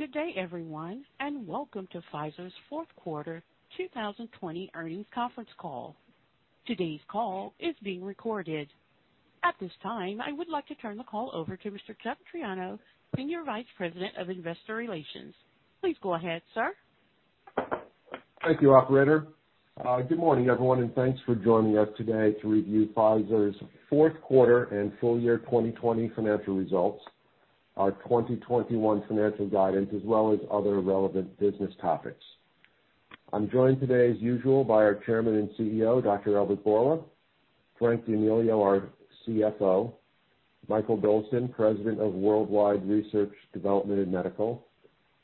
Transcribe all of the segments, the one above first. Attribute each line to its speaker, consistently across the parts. Speaker 1: Good day, everyone, and welcome to Pfizer's Fourth Quarter 2020 Earnings Conference Call. Today's call is being recorded. At this time, I would like to turn the call over to Mr. Chuck Triano, Senior Vice President of Investor Relations. Please go ahead, sir.
Speaker 2: Thank you, operator. Good morning, everyone, and thanks for joining us today to review Pfizer's fourth quarter and full year 2020 financial results, our 2021 financial guidance, as well as other relevant business topics. I'm joined today, as usual, by our Chairman and CEO, Dr. Albert Bourla; Frank D'Amelio, our CFO; Mikael Dolsten, President of Worldwide Research, Development and Medical;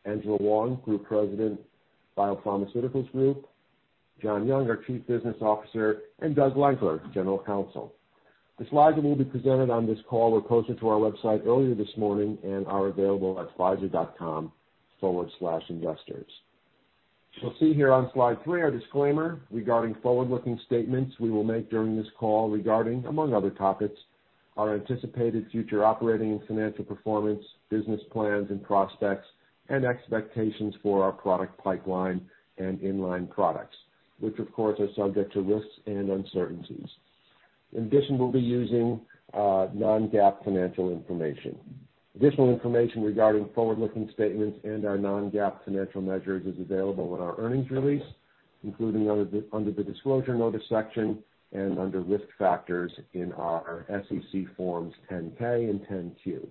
Speaker 2: Angela Hwang, Group President, Biopharmaceuticals Group; John Young, our Chief Business Officer; and Doug Lankler, General Counsel. The slides that will be presented on this call were posted to our website earlier this morning and are available at pfizer.com/investors. You'll see here on slide three our disclaimer regarding forward-looking statements we will make during this call regarding, among other topics, our anticipated future operating and financial performance, business plans and prospects, and expectations for our product pipeline and in-line products, which of course are subject to risks and uncertainties. In addition, we'll be using non-GAAP financial information. Additional information regarding forward-looking statements and our non-GAAP financial measures is available in our earnings release, including under the disclosure notice section and under risk factors in our SEC forms 10-K and 10-Q.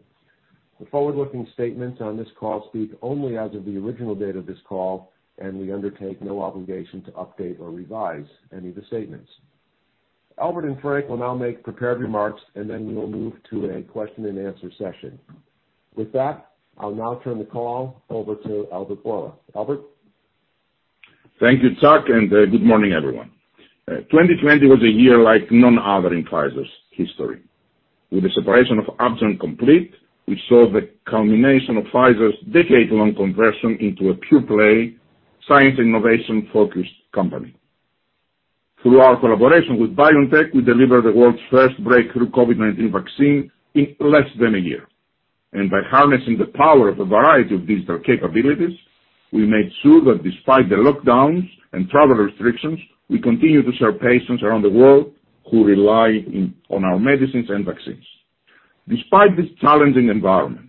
Speaker 2: The forward-looking statements on this call speak only as of the original date of this call, and we undertake no obligation to update or revise any of the statements. Albert and Frank will now make prepared remarks, and then we will move to a question and answer session. With that, I'll now turn the call over to Albert Bourla. Albert?
Speaker 3: Thank you, Chuck, good morning, everyone. 2020 was a year like none other in Pfizer's history. With the separation of Upjohn complete, we saw the culmination of Pfizer's decade-long conversion into a pure-play science innovation-focused company. Through our collaboration with BioNTech, we delivered the world's first breakthrough COVID-19 vaccine in less than a year. By harnessing the power of a variety of digital capabilities, we made sure that despite the lockdowns and travel restrictions, we continue to serve patients around the world who rely on our medicines and vaccines. Despite this challenging environment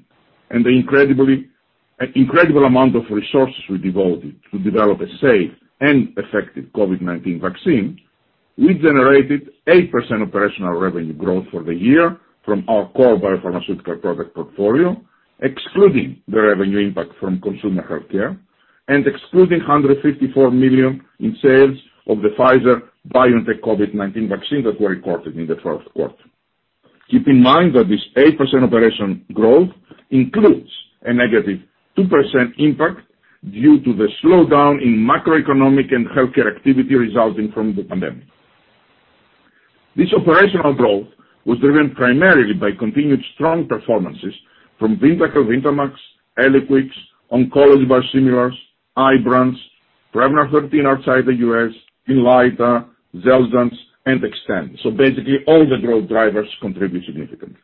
Speaker 3: and the incredible amount of resources we devoted to develop a safe and effective COVID-19 vaccine, we generated 8% operational revenue growth for the year from our core biopharmaceutical product portfolio, excluding the revenue impact from consumer healthcare and excluding $154 million in sales of the Pfizer-BioNTech COVID-19 vaccine that were recorded in the first quarter. Keep in mind that this 8% operation growth includes a -2% impact due to the slowdown in macroeconomic and healthcare activity resulting from the pandemic. This operational growth was driven primarily by continued strong performances from VYNDAQEL, VYNDAMAX, ELIQUIS, oncology biosimilars, IBRANCE, Prevnar 13 outside the U.S., INLYTA, XELJANZ, and XTANDI. Basically, all the growth drivers contribute significantly.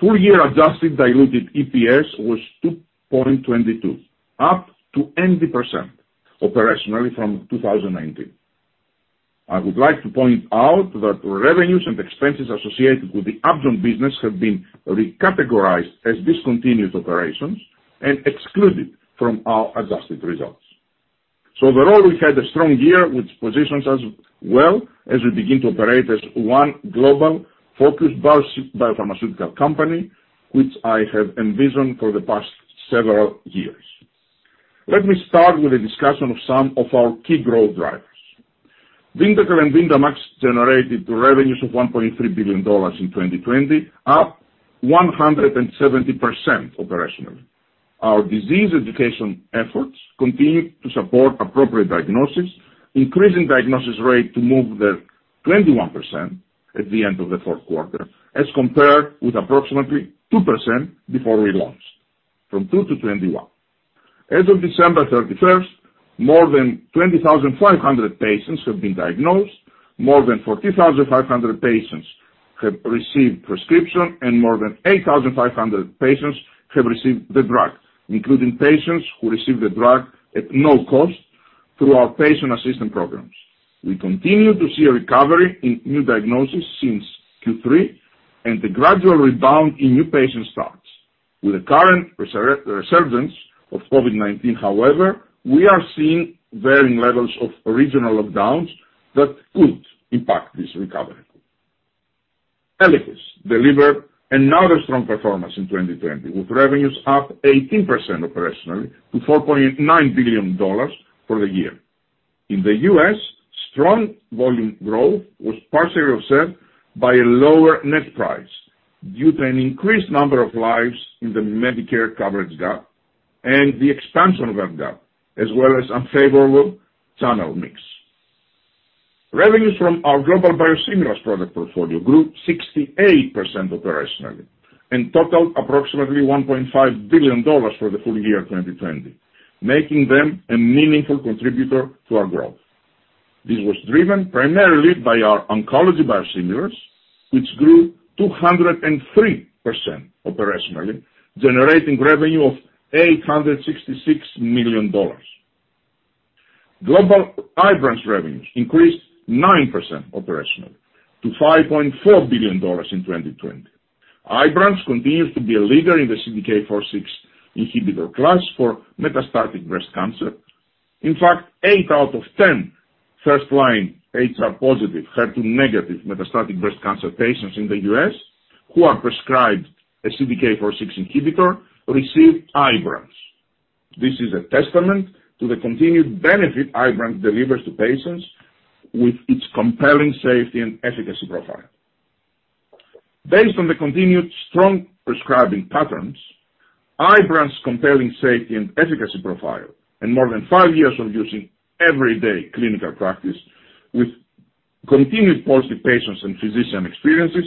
Speaker 3: Full-year adjusted diluted EPS was $2.22, up to 20% operationally from 2019. I would like to point out that revenues and expenses associated with the Upjohn business have been recategorized as discontinued operations and excluded from our adjusted results. Overall, we've had a strong year, which positions us well as we begin to operate as one global focused biopharmaceutical company, which I have envisioned for the past several years. Let me start with a discussion of some of our key growth drivers. VYNDAQEL and VYNDAMAX generated revenues of $1.3 billion in 2020, up 170% operationally. Our disease education efforts continued to support appropriate diagnosis, increasing diagnosis rate to move the 21% at the end of the fourth quarter as compared with approximately 2% before we launched, from 2% to 21%. As of December 31st, more than 20,500 patients have been diagnosed, more than 14,500 patients have received prescription, and more than 8,500 patients have received the drug, including patients who receive the drug at no cost through our patient assistance programs. We continue to see a recovery in new diagnosis since Q3 and the gradual rebound in new patient starts. With the current resurgence of COVID-19, however, we are seeing varying levels of regional lockdowns that could impact this recovery. ELIQUIS delivered another strong performance in 2020, with revenues up 18% operationally to $4.9 billion for the year. In the U.S., strong volume growth was partially offset by a lower net price due to an increased number of lives in the Medicare coverage gap and the expansion of that gap, as well as unfavorable channel mix. Revenues from our global biosimilars product portfolio grew 68% operationally and totaled approximately $1.5 billion for the full year 2020, making them a meaningful contributor to our growth. This was driven primarily by our oncology biosimilars, which grew 203% operationally, generating revenue of $866 million. Global IBRANCE revenue increased 9% operationally to $5.4 billion in 2020. IBRANCE continues to be a leader in the CDK4/6 inhibitor class for metastatic breast cancer. In fact, eight out of 10 first-line HR-positive, HER2-negative metastatic breast cancer patients in the U.S. who are prescribed a CDK4/6 inhibitor receive IBRANCE. This is a testament to the continued benefit IBRANCE delivers to patients with its compelling safety and efficacy profile. Based on the continued strong prescribing patterns, IBRANCE compelling safety and efficacy profile, and more than five years of use in everyday clinical practice with continued positive patients and physician experiences,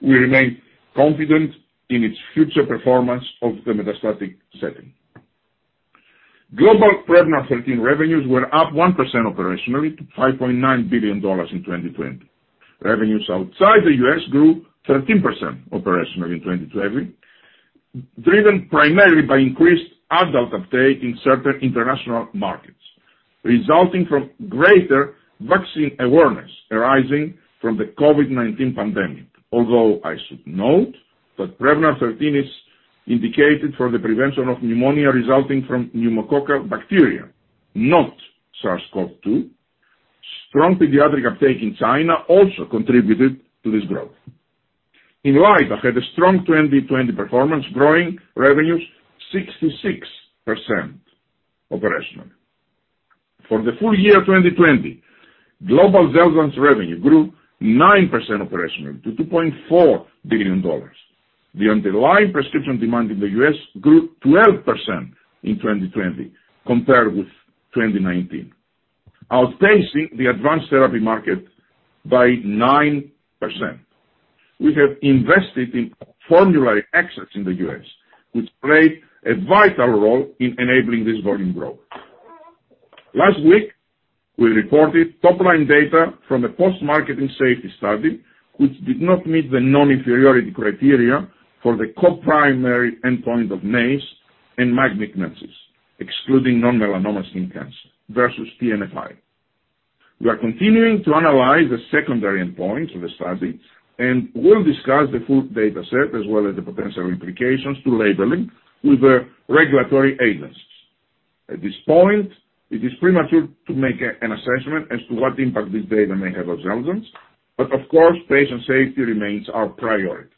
Speaker 3: we remain confident in its future performance of the metastatic setting. Global Prevnar 13 revenues were up 1% operationally to $5.9 billion in 2020. Revenues outside the U.S. grew 13% operationally in 2020, driven primarily by increased adult uptake in certain international markets, resulting from greater vaccine awareness arising from the COVID-19 pandemic. I should note that Prevnar 13 is indicated for the prevention of pneumonia resulting from pneumococcal bacteria, not SARS-CoV-2. Strong pediatric uptake in China also contributed to this growth. ELIQUIS had a strong 2020 performance, growing revenues 66% operationally. For the full year 2020, global XELJANZ revenue grew 9% operationally to $2.4 billion. The underlying prescription demand in the U.S. grew 12% in 2020 compared with 2019, outpacing the advanced therapy market by 9%. We have invested in formulary access in the U.S., which played a vital role in enabling this volume growth. Last week, we reported top-line data from a post-marketing safety study which did not meet the non-inferiority criteria for the co-primary endpoint of MACE and malignancies, excluding non-melanoma skin cancer versus TNFi. We are continuing to analyze the secondary endpoints of the study and will discuss the full data set as well as the potential implications to labeling with the regulatory agents. At this point, it is premature to make an assessment as to what impact this data may have on XELJANZ, of course, patient safety remains our priority.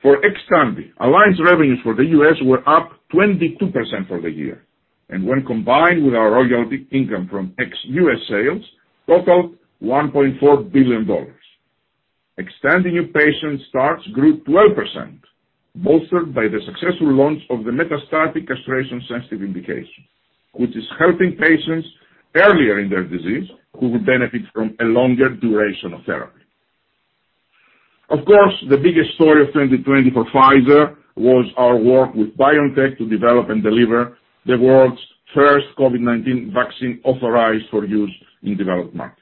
Speaker 3: For XTANDI, Alliance revenues for the U.S. were up 22% for the year, and when combined with our royalty income from ex-U.S. sales, totaled $1.4 billion. XTANDI new patient starts grew 12%, bolstered by the successful launch of the metastatic castration-sensitive indication, which is helping patients earlier in their disease who will benefit from a longer duration of therapy. Of course, the biggest story of 2020 for Pfizer was our work with BioNTech to develop and deliver the world's first COVID-19 vaccine authorized for use in developed markets.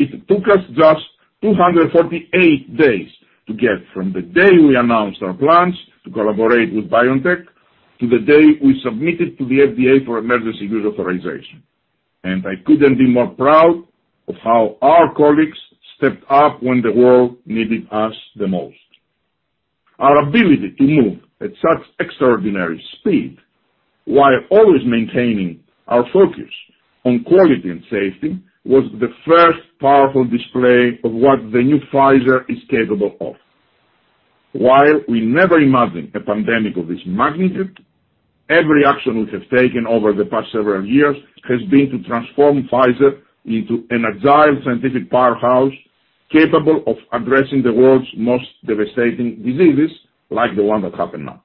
Speaker 3: It took us just 248 days to get from the day we announced our plans to collaborate with BioNTech to the day we submitted to the FDA for emergency use authorization. I couldn't be more proud of how our colleagues stepped up when the world needed us the most. Our ability to move at such extraordinary speed while always maintaining our focus on quality and safety, was the first powerful display of what the new Pfizer is capable of. While we never imagined a pandemic of this magnitude, every action we have taken over the past several years has been to transform Pfizer into an agile scientific powerhouse capable of addressing the world's most devastating diseases, like the one that happened now.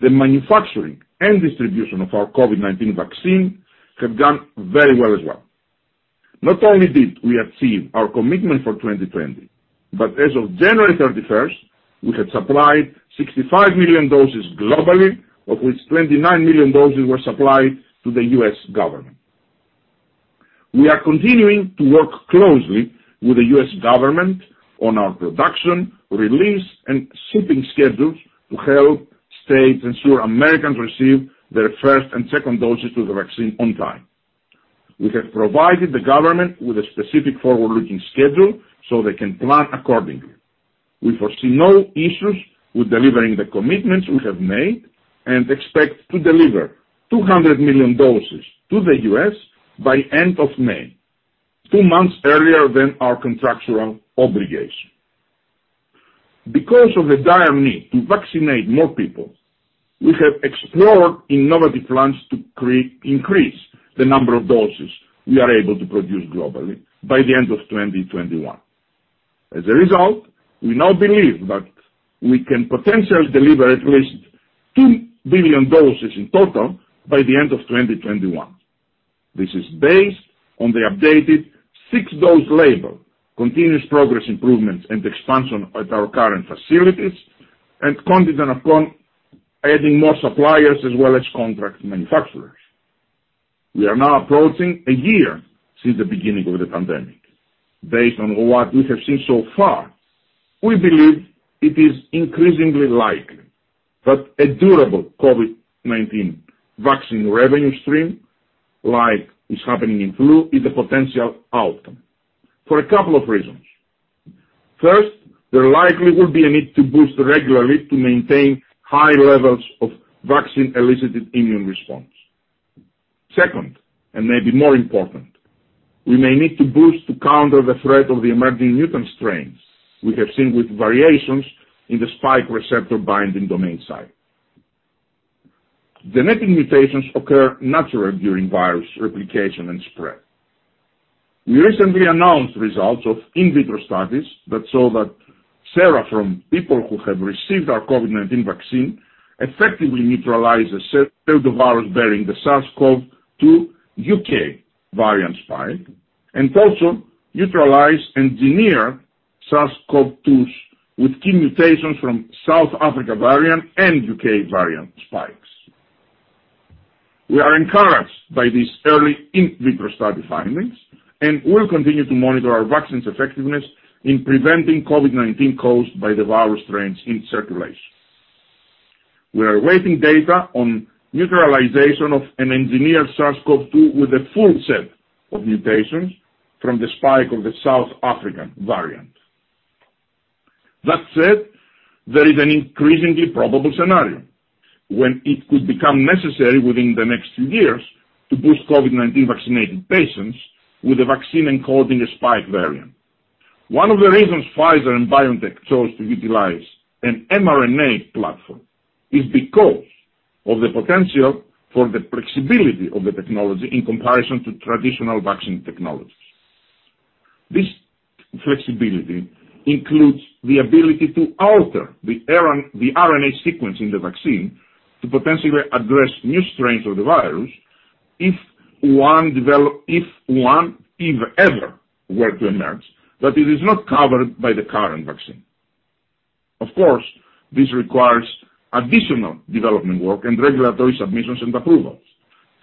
Speaker 3: The manufacturing and distribution of our COVID-19 vaccine have done very well as well. Not only did we achieve our commitment for 2020, but as of January 31st, we had supplied 65 million doses globally, of which 29 million doses were supplied to the U.S. government. We are continuing to work closely with the U.S. government on our production, release, and shipping schedules to help states ensure Americans receive their first and second doses of the vaccine on time. We have provided the government with a specific forward-looking schedule so they can plan accordingly. We foresee no issues with delivering the commitments we have made and expect to deliver 200 million doses to the U.S. by end of May, two months earlier than our contractual obligation. Because of the dire need to vaccinate more people, we have explored innovative plans to increase the number of doses we are able to produce globally by the end of 2021. As a result, we now believe that we can potentially deliver at least two billion doses in total by the end of 2021. This is based on the updated six-dose label, continuous progress improvements, and expansion at our current facilities, contingent upon adding more suppliers as well as contract manufacturers. We are now approaching a year since the beginning of the pandemic. Based on what we have seen so far, we believe it is increasingly likely that a durable COVID-19 vaccine revenue stream, like is happening in flu, is a potential outcome for a couple of reasons. First, there likely will be a need to boost regularly to maintain high levels of vaccine-elicited immune response. Second, maybe more important, we may need to boost to counter the threat of the emerging mutant strains we have seen with variations in the spike receptor binding domain site. Genetic mutations occur naturally during virus replication and spread. We recently announced results of in vitro studies that show that sera from people who have received our COVID-19 vaccine effectively neutralize a pseudovirus bearing the SARS-CoV-2 U.K. variant spike, and also neutralize engineered SARS-CoV-2s with key mutations from South Africa variant and U.K. variant spikes. We are encouraged by these early in vitro study findings and will continue to monitor our vaccine's effectiveness in preventing COVID-19 caused by the virus strains in circulation. We are awaiting data on neutralization of an engineered SARS-CoV-2 with a full set of mutations from the spike of the South African variant. That said, there is an increasingly probable scenario when it could become necessary within the next two years to boost COVID-19 vaccinated patients with a vaccine encoding a spike variant. One of the reasons Pfizer and BioNTech chose to utilize an mRNA platform is because of the potential for the flexibility of the technology in comparison to traditional vaccine technologies. This flexibility includes the ability to alter the RNA sequence in the vaccine to potentially address new strains of the virus if one ever were to emerge that it is not covered by the current vaccine. Of course, this requires additional development work and regulatory submissions and approvals.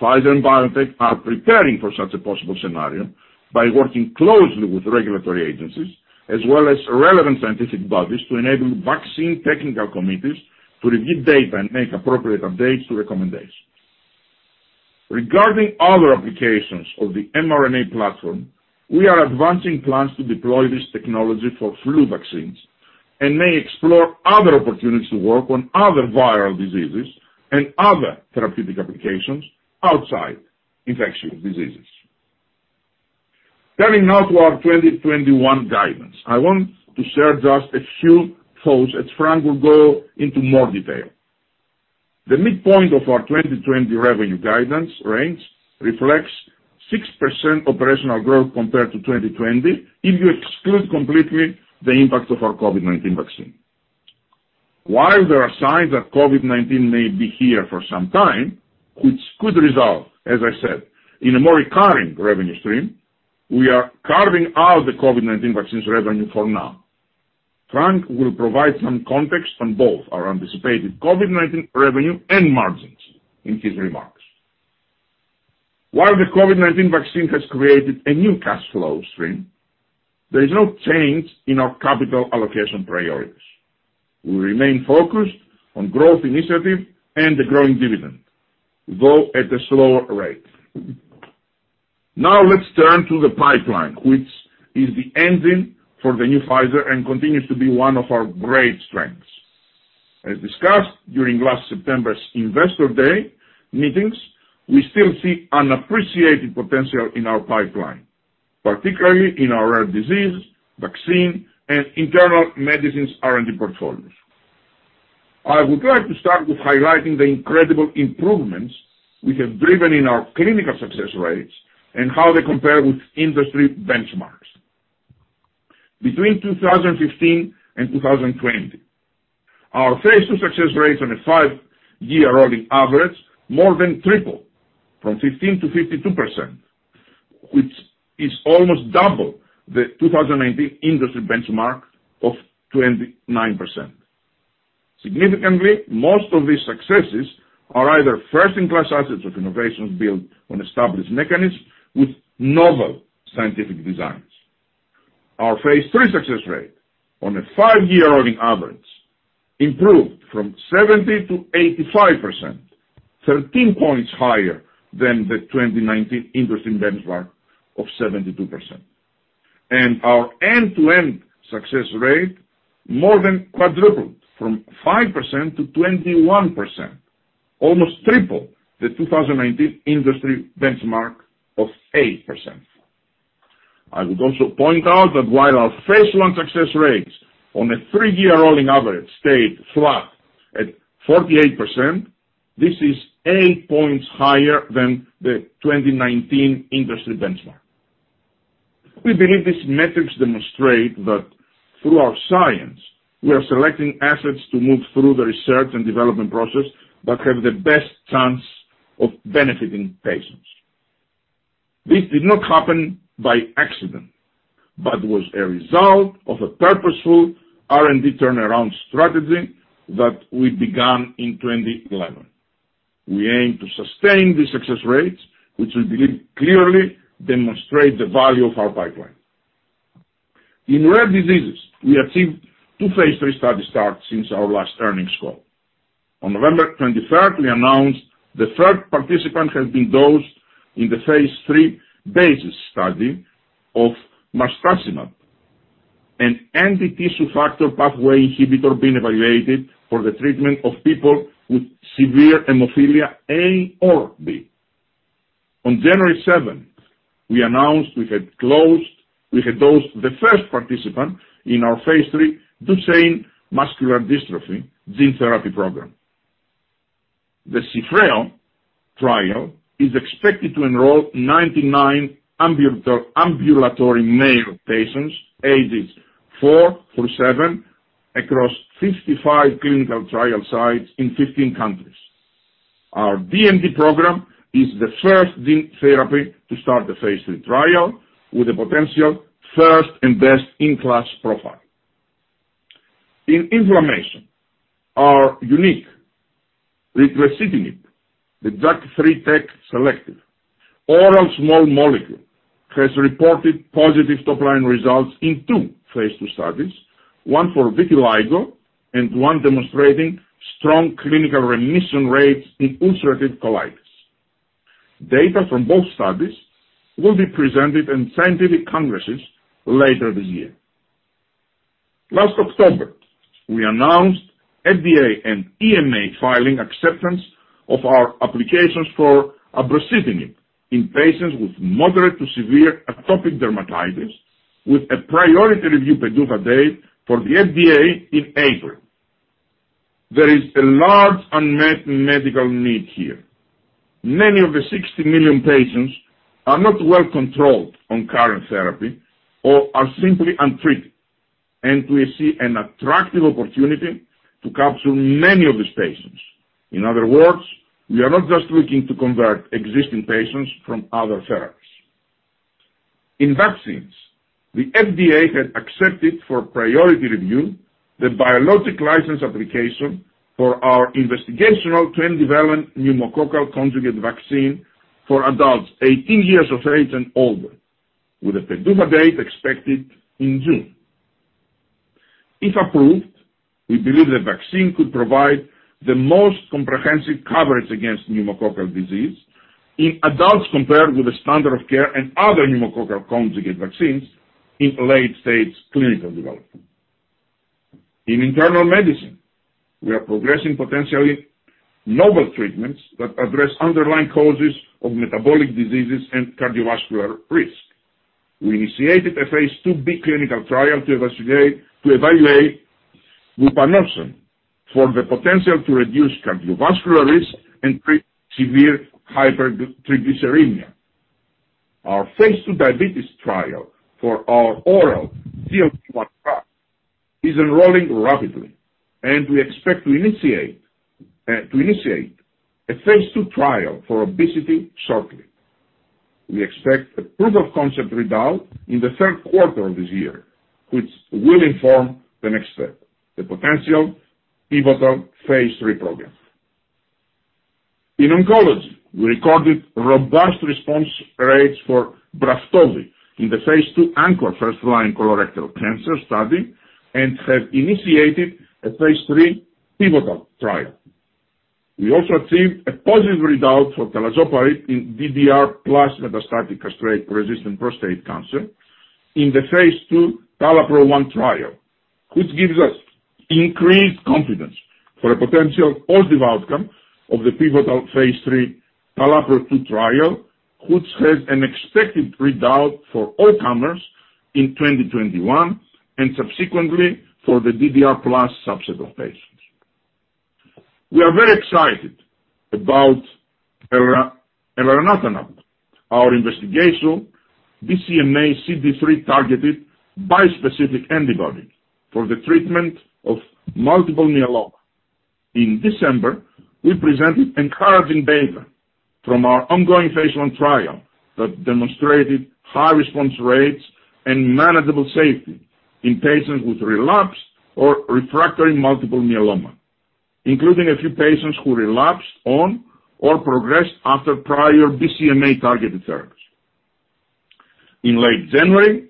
Speaker 3: Pfizer and BioNTech are preparing for such a possible scenario by working closely with regulatory agencies as well as relevant scientific bodies to enable vaccine technical committees to review data and make appropriate updates to recommendations. Regarding other applications of the mRNA platform, we are advancing plans to deploy this technology for flu vaccines and may explore other opportunities to work on other viral diseases and other therapeutic applications outside infectious diseases. Turning now to our 2021 guidance. I want to share just a few thoughts, as Frank will go into more detail. The midpoint of our 2020 revenue guidance range reflects 6% operational growth compared to 2020 if you exclude completely the impact of our COVID-19 vaccine. While there are signs that COVID-19 may be here for some time, which could result, as I said, in a more recurring revenue stream, we are carving out the COVID-19 vaccine's revenue for now. Frank will provide some context on both our anticipated COVID-19 revenue and margins in his remarks. While the COVID-19 vaccine has created a new cash flow stream, there is no change in our capital allocation priorities. We remain focused on growth initiatives and a growing dividend, though at a slower rate. Now let's turn to the pipeline, which is the engine for the new Pfizer and continues to be one of our great strengths. As discussed during last September's Investor Day meetings, we still see unappreciated potential in our pipeline, particularly in our rare disease, vaccine, and internal medicines R&D portfolios. I would like to start with highlighting the incredible improvements we have driven in our clinical success rates and how they compare with industry benchmarks. Between 2015 and 2020, our Phase II success rates on a five-year rolling average more than tripled from 15% to 52%, which is almost double the 2019 industry benchmark of 29%. Significantly, most of these successes are either first-in-class assets with innovations built on established mechanisms with novel scientific designs. Our Phase III success rate on a five-year rolling average improved from 70% to 85%, 13 points higher than the 2019 industry benchmark of 72%. Our end-to-end success rate more than quadrupled from 5% to 21%, almost triple the 2019 industry benchmark of 8%. I would also point out that while our phase I success rates on a three-year rolling average stayed flat at 48%, this is eight points higher than the 2019 industry benchmark. We believe these metrics demonstrate that through our science, we are selecting assets to move through the research and development process that have the best chance of benefiting patients. This did not happen by accident, but was a result of a purposeful R&D turnaround strategy that we began in 2011. We aim to sustain the success rates, which we believe clearly demonstrate the value of our pipeline. In rare diseases, we achieved two phase III study starts since our last earnings call. On November 23rd, we announced the third participant has been dosed in the phase III BASIS study of marstacimab, an anti-tissue factor pathway inhibitor being evaluated for the treatment of people with severe hemophilia A or B. On January 7th, we announced we had dosed the first participant in our phase III Duchenne muscular dystrophy gene therapy program. The CIFFREO trial is expected to enroll 99 ambulatory male patients, ages four through seven, across 55 clinical trial sites in 15 countries. Our DMD program is the first gene therapy to start the phase III trial with a potential first and best-in-class profile. In inflammation, our unique ritlecitinib, the JAK3/TEC selective oral small molecule, has reported positive top-line results in two phase II studies, one for vitiligo and one demonstrating strong clinical remission rates in ulcerative colitis. Data from both studies will be presented in scientific congresses later this year. Last October, we announced FDA and EMA filing acceptance of our applications for ritlecitinib in patients with moderate to severe atopic dermatitis with a priority review PDUFA date for the FDA in April. There is a large unmet medical need here. Many of the 60 million patients are not well controlled on current therapy or are simply untreated, and we see an attractive opportunity to capture many of these patients. In other words, we are not just looking to convert existing patients from other therapies. In vaccines, the FDA has accepted for priority review the Biologic License Application for our investigational 20-valent pneumococcal conjugate vaccine for adults 18 years of age and older with a PDUFA date expected in June. If approved, we believe the vaccine could provide the most comprehensive coverage against pneumococcal disease in adults compared with the standard of care and other pneumococcal conjugate vaccines in late-stage clinical development. In internal medicine, we are progressing potentially novel treatments that address underlying causes of metabolic diseases and cardiovascular risk. We initiated a phase II-B clinical trial to evaluate vupanorsen for the potential to reduce cardiovascular risk and treat severe hypertriglyceridemia. Our phase II diabetes trial for our oral GLP-1 class is enrolling rapidly, and we expect to initiate a phase II trial for obesity shortly. We expect a proof-of-concept readout in the third quarter of this year, which will inform the next step, the potential pivotal phase III program. In oncology, we recorded robust response rates for BRAFTOVI in the phase II ANCHOR first-line colorectal cancer study and have initiated a phase III pivotal trial. We also achieved a positive readout for talazoparib in DDR plus metastatic castration-resistant prostate cancer in the phase II TALAPRO-1 trial, which gives us increased confidence for a potential positive outcome of the pivotal phase III TALAPRO-2 trial, which has an expected readout for all comers in 2021 and subsequently for the DDR plus subset of patients. We are very excited about elranatamab, our investigational BCMA CD3-targeted bispecific antibody for the treatment of multiple myeloma. In December, we presented encouraging data from our ongoing phase I trial that demonstrated high response rates and manageable safety in patients with relapsed or refractory multiple myeloma, including a few patients who relapsed on or progressed after prior BCMA-targeted therapies. In late January,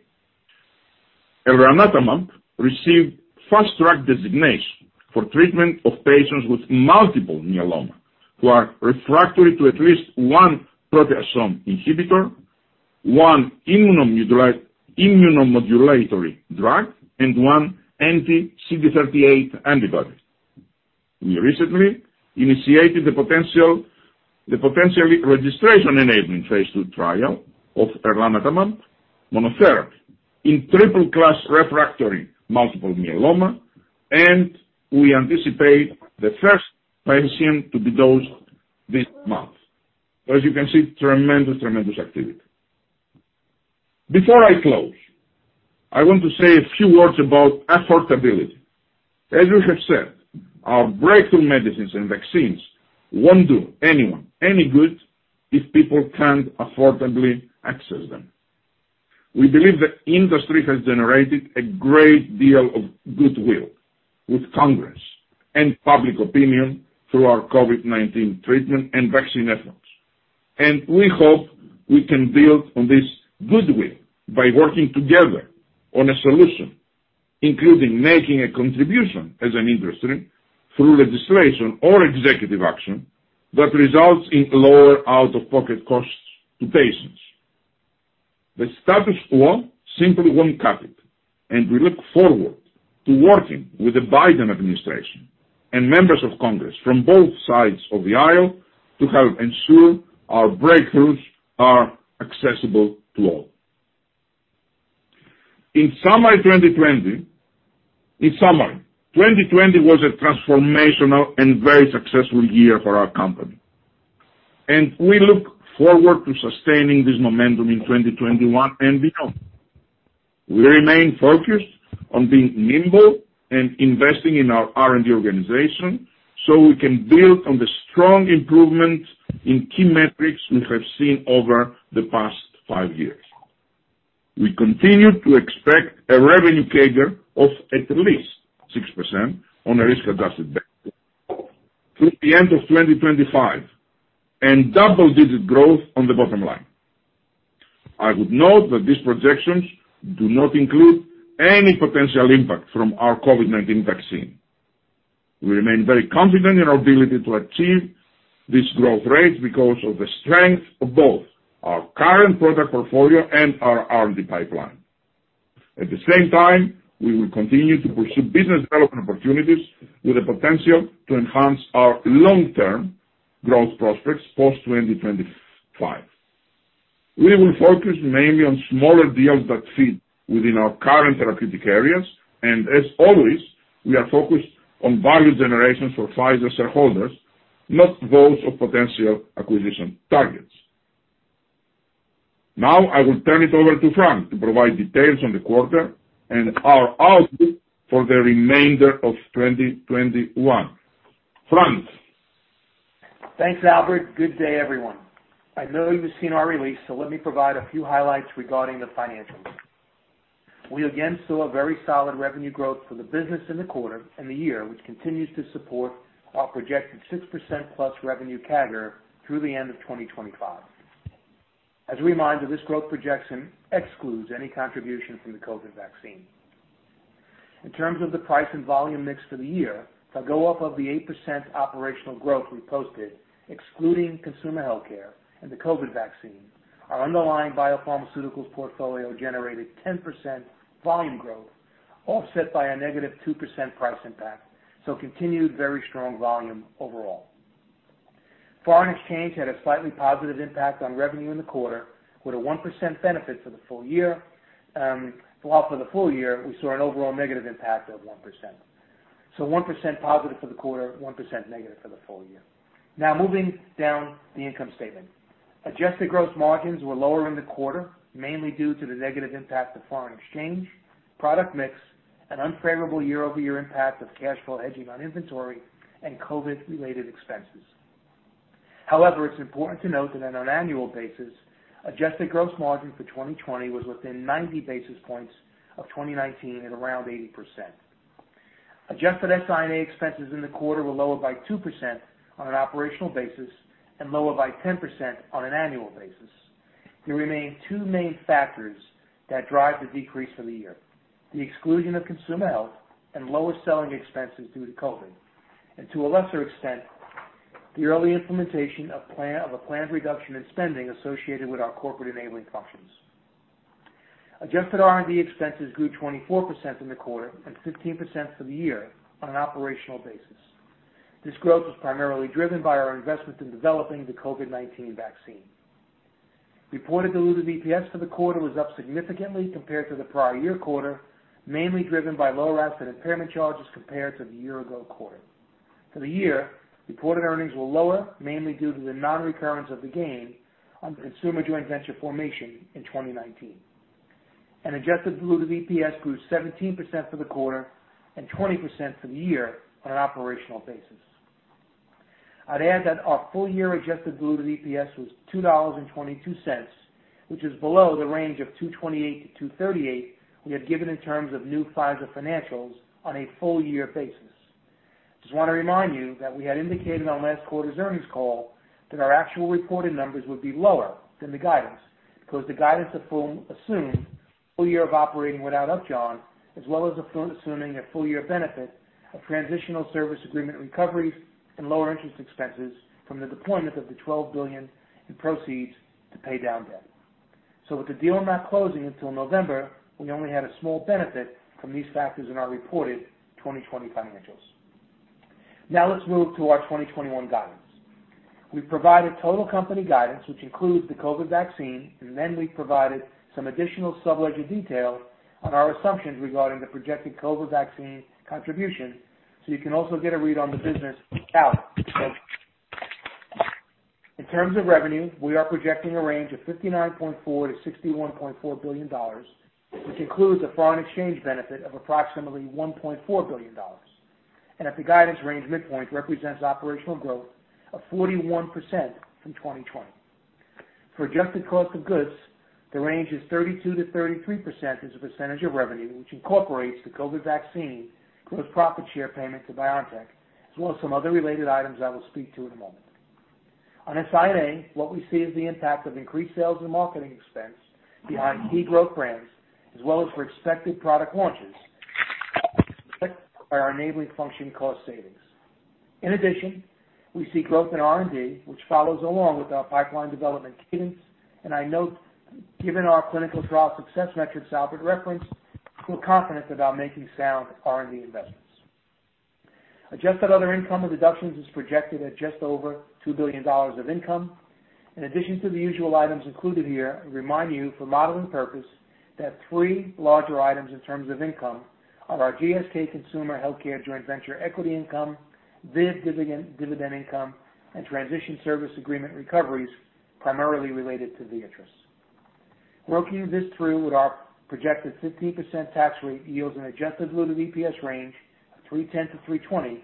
Speaker 3: elranatamab received fast-track designation for treatment of patients with multiple myeloma who are refractory to at least one proteasome inhibitor, one immunomodulatory drug, and one anti-CD38 antibody. We recently initiated the potential registration-enabling phase II trial of elranatamab monotherapy in triple-class refractory multiple myeloma. We anticipate the first patient to be dosed this month. As you can see, tremendous activity. Before I close, I want to say a few words about affordability. As we have said, our breakthrough medicines and vaccines won't do anyone any good if people can't affordably access them. We believe the industry has generated a great deal of goodwill with Congress and public opinion through our COVID-19 treatment and vaccine efforts. We hope we can build on this goodwill by working together on a solution, including making a contribution as an industry through legislation or executive action that results in lower out-of-pocket costs to patients. The status quo simply won't cut it. We look forward to working with the Biden administration and members of Congress from both sides of the aisle to help ensure our breakthroughs are accessible to all. In summary, 2020 was a transformational and very successful year for our company. We look forward to sustaining this momentum in 2021 and beyond. We remain focused on being nimble and investing in our R&D organization so we can build on the strong improvements in key metrics we have seen over the past five years. We continue to expect a revenue CAGR of at least 6% on a risk-adjusted basis through the end of 2025 and double-digit growth on the bottom line. I would note that these projections do not include any potential impact from our COVID-19 vaccine. We remain very confident in our ability to achieve these growth rates because of the strength of both our current product portfolio and our R&D pipeline. At the same time, we will continue to pursue business development opportunities with the potential to enhance our long-term growth prospects post 2025. We will focus mainly on smaller deals that fit within our current therapeutic areas, and as always, we are focused on value generation for Pfizer shareholders, not those of potential acquisition targets. Now I will turn it over to Frank to provide details on the quarter and our outlook for the remainder of 2021. Frank.
Speaker 4: Thanks, Albert. Good day, everyone. I know you've seen our release, so let me provide a few highlights regarding the financials. We again saw very solid revenue growth for the business in the quarter and the year, which continues to support our projected 6%+ revenue CAGR through the end of 2025. As a reminder, this growth projection excludes any contribution from the COVID vaccine. In terms of the price and volume mix for the year, if I go up of the 8% operational growth we posted, excluding consumer healthcare and the COVID vaccine, our underlying biopharmaceuticals portfolio generated 10% volume growth, offset by a negative 2% price impact. Continued very strong volume overall. Foreign exchange had a slightly positive impact on revenue in the quarter, with a 1% benefit for the full year. While for the full year, we saw an overall negative impact of 1%. 1% positive for the quarter, -1% for the full year. Moving down the income statement. Adjusted gross margins were lower in the quarter, mainly due to the negative impact of foreign exchange, product mix, an unfavorable year-over-year impact of cash flow hedging on inventory, and COVID-related expenses. It's important to note that on an annual basis, adjusted gross margin for 2020 was within 90 basis points of 2019 at around 80%. Adjusted SI&A expenses in the quarter were lower by 2% on an operational basis and lower by 10% on an annual basis. There remain two main factors that drive the decrease for the year: the exclusion of consumer health and lower selling expenses due to COVID, and to a lesser extent, the early implementation of a planned reduction in spending associated with our corporate enabling functions. Adjusted R&D expenses grew 24% in the quarter and 15% for the year on an operational basis. This growth was primarily driven by our investment in developing the COVID-19 vaccine. Reported diluted EPS for the quarter was up significantly compared to the prior year quarter, mainly driven by lower asset impairment charges compared to the year-ago quarter. For the year, reported earnings were lower, mainly due to the non-recurrence of the gain on the consumer joint venture formation in 2019. Adjusted diluted EPS grew 17% for the quarter and 20% for the year on an operational basis. I'd add that our full-year adjusted diluted EPS was $2.22, which is below the range of $2.28-$2.38 we had given in terms of new Pfizer financials on a full-year basis. Just want to remind you that we had indicated on last quarter's earnings call that our actual reported numbers would be lower than the guidance, because the guidance assumed a full year of operating without Upjohn, as well as assuming a full-year benefit of transitional service agreement recoveries and lower interest expenses from the deployment of the $12 billion in proceeds to pay down debt. With the deal not closing until November, we only had a small benefit from these factors in our reported 2020 financials. Now let's move to our 2021 guidance. We've provided total company guidance, which includes the COVID vaccine, and then we've provided some additional sub-ledger detail on our assumptions regarding the projected COVID vaccine contribution, so you can also get a read on the business out. In terms of revenue, we are projecting a range of $59.4 billion-$61.4 billion, which includes a foreign exchange benefit of approximately $1.4 billion and at the guidance range midpoint represents operational growth of 41% from 2020. For adjusted COGS, the range is 32%-33% as a percentage of revenue, which incorporates the COVID vaccine gross profit share payment to BioNTech, as well as some other related items that we'll speak to in a moment. On our SI&A, what we see is the impact of increased sales and marketing expense behind key growth brands, as well as for expected product launches by our enabling function cost savings. In addition, we see growth in R&D, which follows along with our pipeline development cadence. I note, given our clinical trial success metrics Albert referenced, we're confident about making sound R&D investments. Adjusted other income or deductions is projected at just over $2 billion of income. In addition to the usual items included here, I remind you for modeling purpose that three larger items in terms of income are our GSK consumer healthcare joint venture equity income, ViiV dividend income, and transition service agreement recoveries primarily related to Viatris. Working this through with our projected 15% tax rate yields an adjusted diluted EPS range of $3.10-$3.20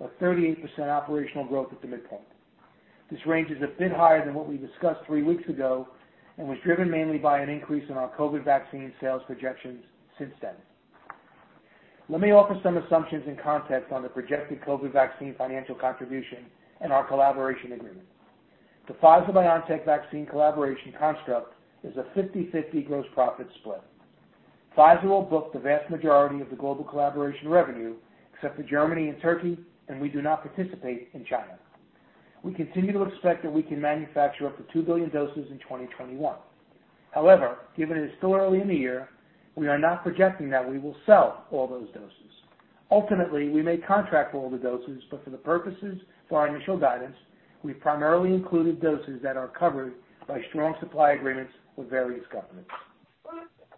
Speaker 4: or 38% operational growth at the midpoint. This range is a bit higher than what we discussed three weeks ago. It was driven mainly by an increase in our COVID vaccine sales projections since then. Let me offer some assumptions and context on the projected COVID vaccine financial contribution and our collaboration agreement. The Pfizer-BioNTech vaccine collaboration construct is a 50/50 gross profit split. Pfizer will book the vast majority of the global collaboration revenue, except for Germany and Turkey, and we do not participate in China. We continue to expect that we can manufacture up to 2 billion doses in 2021. However, given it is still early in the year, we are not projecting that we will sell all those doses. Ultimately, we may contract for all the doses, but for the purposes for our initial guidance, we primarily included doses that are covered by strong supply agreements with various governments.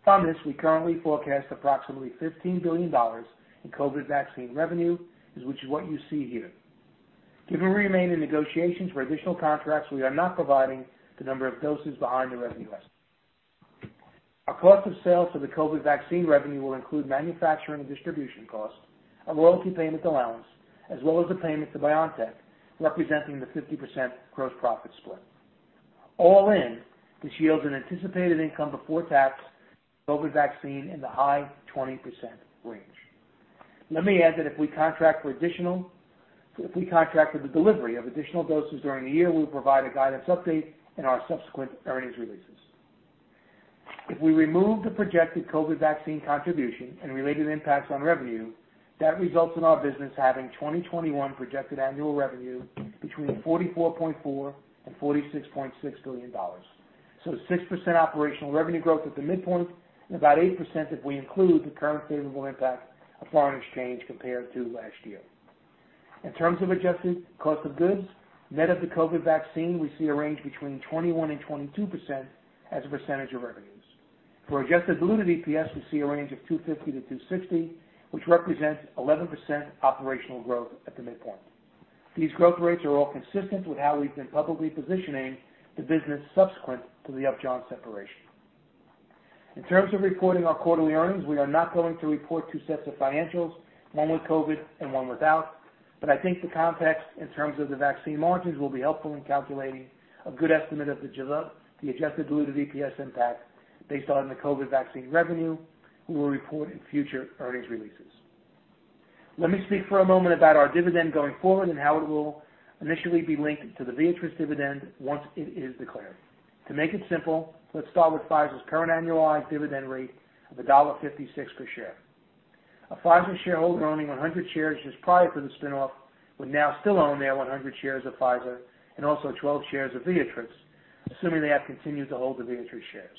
Speaker 4: From this, we currently forecast approximately $15 billion in COVID vaccine revenue, which is what you see here. Given we remain in negotiations for additional contracts, we are not providing the number of doses behind the revenue estimate. Our cost of sales for the COVID vaccine revenue will include manufacturing and distribution costs, a royalty payment allowance, as well as the payment to BioNTech, representing the 50% gross profit split. All in, this yields an anticipated income before tax COVID vaccine in the high 20% range. Let me add that if we contract for the delivery of additional doses during the year, we'll provide a guidance update in our subsequent earnings releases. If we remove the projected COVID vaccine contribution and related impacts on revenue, that results in our business having 2021 projected annual revenue between $44.4 billion and $46.6 billion. 6% operational revenue growth at the midpoint and about 8% if we include the current favorable impact of foreign exchange compared to last year. In terms of adjusted cost of goods, net of the COVID vaccine, we see a range between 21% and 22% as a percentage of revenues. For adjusted diluted EPS, we see a range of $2.50-$2.60, which represents 11% operational growth at the midpoint. These growth rates are all consistent with how we've been publicly positioning the business subsequent to the Upjohn separation. In terms of reporting our quarterly earnings, we are not going to report two sets of financials, one with COVID and one without, I think the context in terms of the vaccine margins will be helpful in calculating a good estimate of the adjusted diluted EPS impact based on the COVID vaccine revenue we will report in future earnings releases. Let me speak for a moment about our dividend going forward and how it will initially be linked to the Viatris dividend once it is declared. To make it simple, let's start with Pfizer's current annualized dividend rate of $1.56 per share. A Pfizer shareholder owning 100 shares just prior to the spin-off would now still own their 100 shares of Pfizer and also 12 shares of Viatris, assuming they have continued to hold the Viatris shares.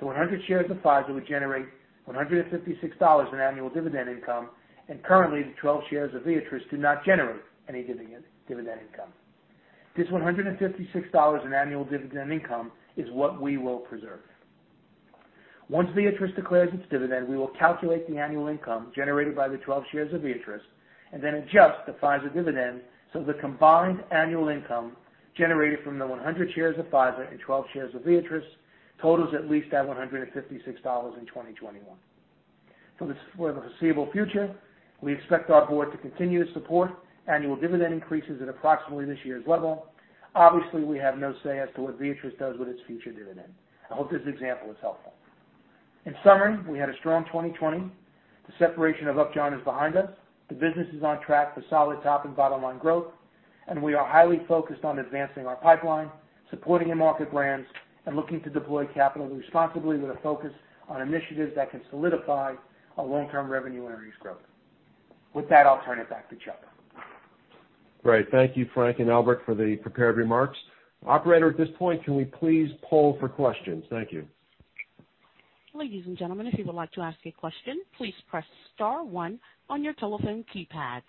Speaker 4: The 100 shares of Pfizer would generate $156 in annual dividend income, and currently, the 12 shares of Viatris do not generate any dividend income. This $156 in annual dividend income is what we will preserve. Once Viatris declares its dividend, we will calculate the annual income generated by the 12 shares of Viatris and then adjust the Pfizer dividend so the combined annual income generated from the 100 shares of Pfizer and 12 shares of Viatris totals at least that $156 in 2021. For the foreseeable future, we expect our board to continue to support annual dividend increases at approximately this year's level. Obviously, we have no say as to what Viatris does with its future dividend. I hope this example is helpful. In summary, we had a strong 2020. The separation of Upjohn is behind us. The business is on track for solid top and bottom-line growth, and we are highly focused on advancing our pipeline, supporting in-market brands, and looking to deploy capital responsibly with a focus on initiatives that can solidify our long-term revenue and earnings growth. With that, I'll turn it back to Chuck.
Speaker 2: Great. Thank you, Frank and Albert, for the prepared remarks. Operator, at this point, can we please poll for questions? Thank you.
Speaker 1: Ladies and gentlemen, if you wish to ask a question please press star one on your telephone keypad.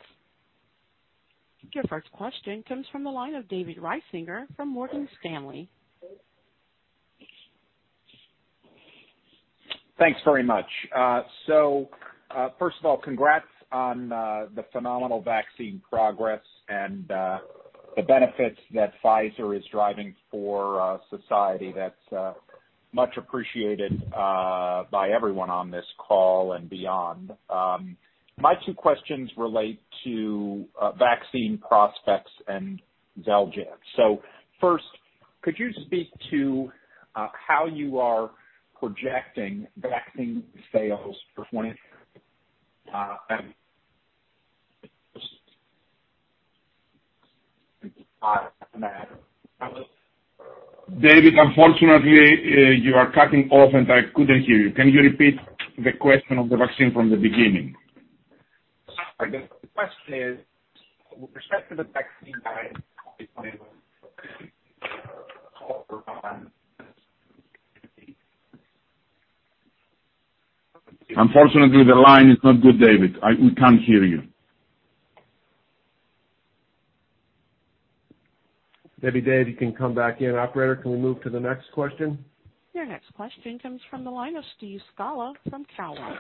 Speaker 1: Your first question comes from the line of David Risinger from Morgan Stanley.
Speaker 5: Thanks very much. First of all, congrats on the phenomenal vaccine progress and the benefits that Pfizer is driving for society. That's much appreciated by everyone on this call and beyond. My two questions relate to vaccine prospects and XELJANZ. First, could you speak to how you are projecting vaccine sales for.
Speaker 3: David, unfortunately, you are cutting off, and I couldn't hear you. Can you repeat the question of the vaccine from the beginning?
Speaker 5: The question is, with respect to the vaccine.
Speaker 3: Unfortunately, the line is not good, David. We can't hear you.
Speaker 2: Maybe David, you can come back in. Operator, can we move to the next question?
Speaker 1: Your next question comes from the line of Steve Scala from Cowen.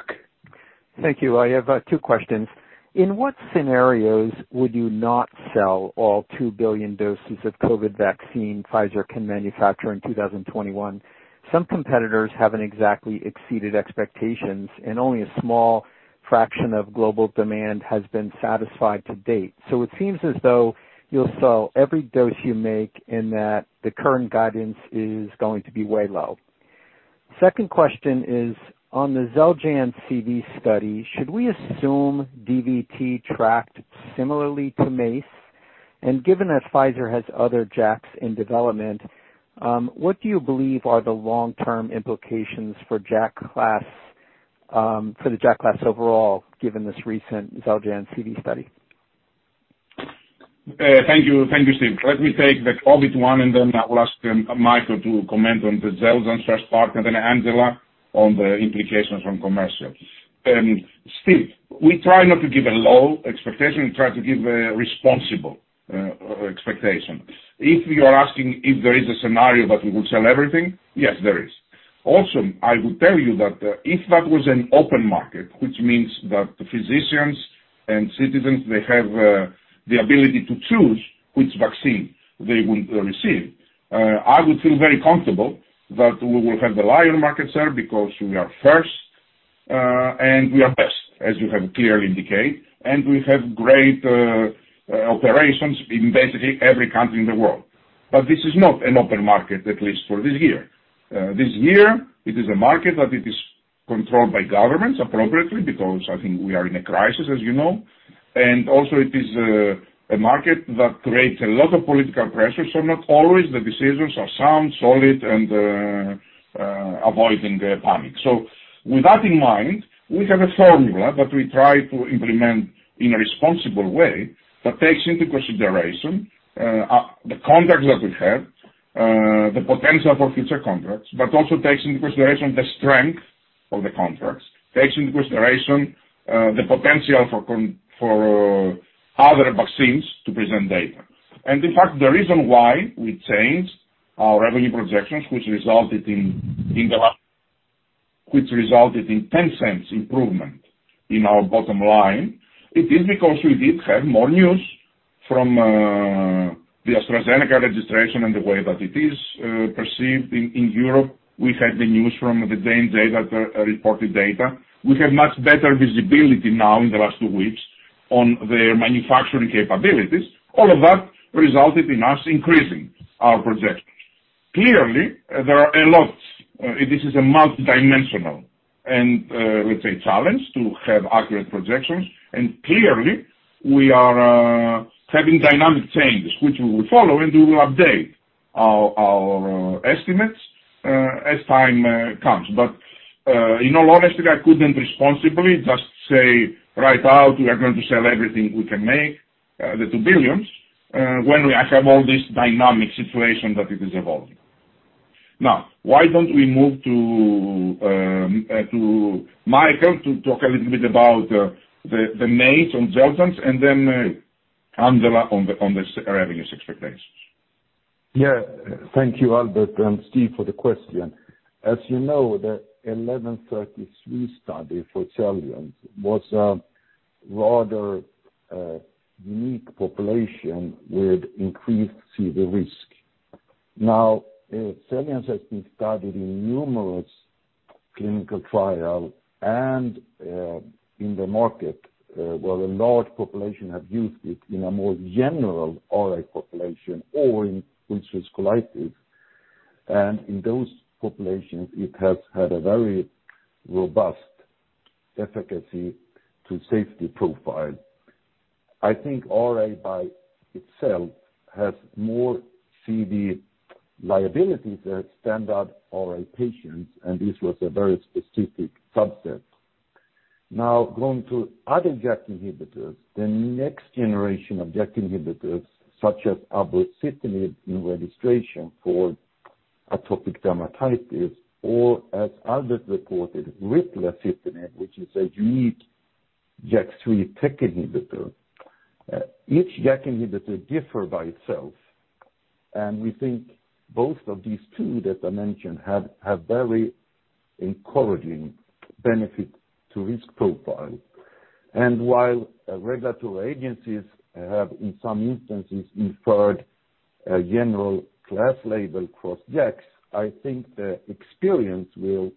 Speaker 6: Thank you. I have two questions. In what scenarios would you not sell all 2 billion doses of COVID vaccine Pfizer can manufacture in 2021? Some competitors haven't exactly exceeded expectations, and only a small fraction of global demand has been satisfied to date. It seems as though you'll sell every dose you make, and that the current guidance is going to be way low. Second question is, on the XELJANZ CV study, should we assume VTE tracked similarly to MACE? Given that Pfizer has other JAKs in development, what do you believe are the long-term implications for the JAK class overall, given this recent XELJANZ CV study?
Speaker 3: Thank you, Steve. Let me take the COVID one, and then I will ask Mikael to comment on the XELJANZ first part, and then Angela on the implications from commercial. Steve, we try not to give a low expectation. We try to give a responsible expectation. If you are asking if there is a scenario that we will sell everything? Yes, there is. Also, I would tell you that if that was an open market, which means that physicians and citizens, they have the ability to choose which vaccine they will receive, I would feel very comfortable that we will have the lion market share because we are first, and we are best, as you have clearly indicated, and we have great operations in basically every country in the world. This is not an open market, at least for this year. This year, it is a market that it is controlled by governments appropriately because I think we are in a crisis, as you know. Also it is a market that creates a lot of political pressure, so not always the decisions are sound, solid, and avoiding panic. With that in mind, we have a formula that we try to implement in a responsible way that takes into consideration the contracts that we have, the potential for future contracts, but also takes into consideration the strength of the contracts, takes into consideration the potential for other vaccines to present data. In fact, the reason why we changed our revenue projections, which resulted in $0.10 improvement in our bottom line, it is because we did have more news from the AstraZeneca registration and the way that it is perceived in Europe. We had the news from the reported data. We have much better visibility now in the last two weeks on their manufacturing capabilities. All of that resulted in us increasing our projections. Clearly, there are a lot. This is a multidimensional and, let's say, challenge to have accurate projections. Clearly, we are having dynamic changes, which we will follow, and we will update our estimates as time comes. In all honesty, I couldn't responsibly just say right out, we are going to sell everything we can make, the 2 billion doses, when I have all this dynamic situation that it is evolving. Why don't we move to Mikael to talk a little bit about the MACE on XELJANZ, and then Angela on the revenues expectations.
Speaker 7: Yeah. Thank you, Albert, and Steve, for the question. As you know, the 1133 study for XELJANZ was a rather unique population with increased CV risk. XELJANZ has been studied in numerous clinical trial and in the market, where a large population have used it in a more general RA population or in ulcerative colitis. In those populations, it has had a very robust efficacy to safety profile. I think RA by itself has more CV liabilities than standard RA patients, and this was a very specific subset. Going to other JAK inhibitors, the next generation of JAK inhibitors, such as abrocitinib in registration for atopic dermatitis, or as Albert reported, ritlecitinib, which is a unique JAK3 TEC inhibitor. Each JAK inhibitor differs by itself. We think both of these two that I mentioned have very encouraging benefit to risk profile. While regulatory agencies have in some instances inferred a general class label across JAKs, I think the experience will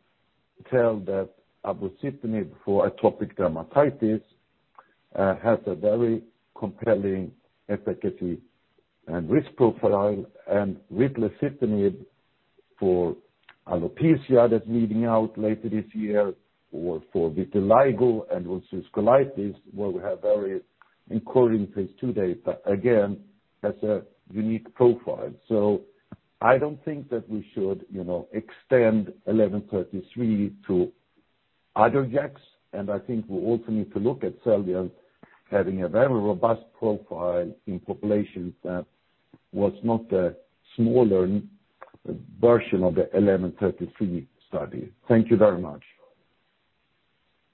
Speaker 7: tell that abrocitinib for atopic dermatitis has a very compelling efficacy and risk profile, and ritlecitinib for alopecia that's reading out later this year, or for vitiligo and ulcerative colitis, where we have very encouraging phase II data, again, has a unique profile. I don't think that we should extend 1133 to other JAKs, and I think we also need to look at XELJANZ having a very robust profile in populations that was not a smaller version of the 1133 study. Thank you very much.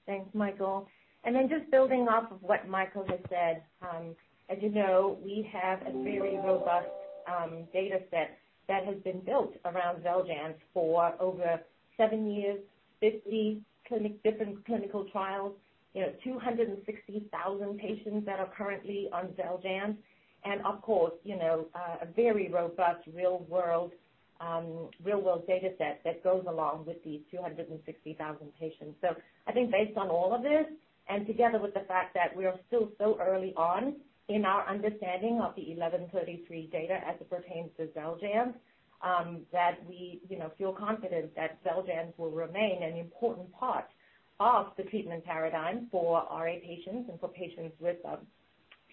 Speaker 8: Thanks, Mikael. Just building off of what Mikael has said, as you know, we have a very robust data set that has been built around XELJANZ for over seven years, 50 different clinical trials, 260,000 patients that are currently on XELJANZ. Of course, a very robust real-world data set that goes along with these 260,000 patients. I think based on all of this, and together with the fact that we are still so early on in our understanding of the A3921133 data as it pertains to XELJANZ, that we feel confident that XELJANZ will remain an important part of the treatment paradigm for RA patients and for patients with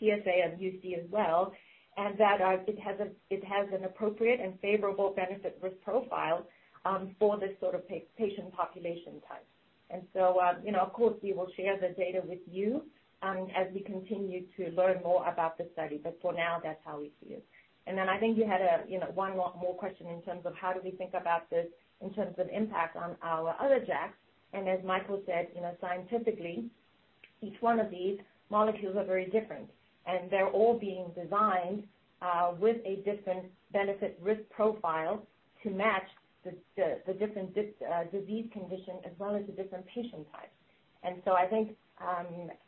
Speaker 8: PsA and UC as well, and that it has an appropriate and favorable benefit risk profile for this sort of patient population type. Of course, we will share the data with you as we continue to learn more about the study. For now, that's how we feel. I think you had one more question in terms of how do we think about this in terms of impact on our other JAKs. As Mikael said, scientifically, each one of these molecules are very different, and they're all being designed with a different benefit risk profile to match the different disease condition as well as the different patient types. I think,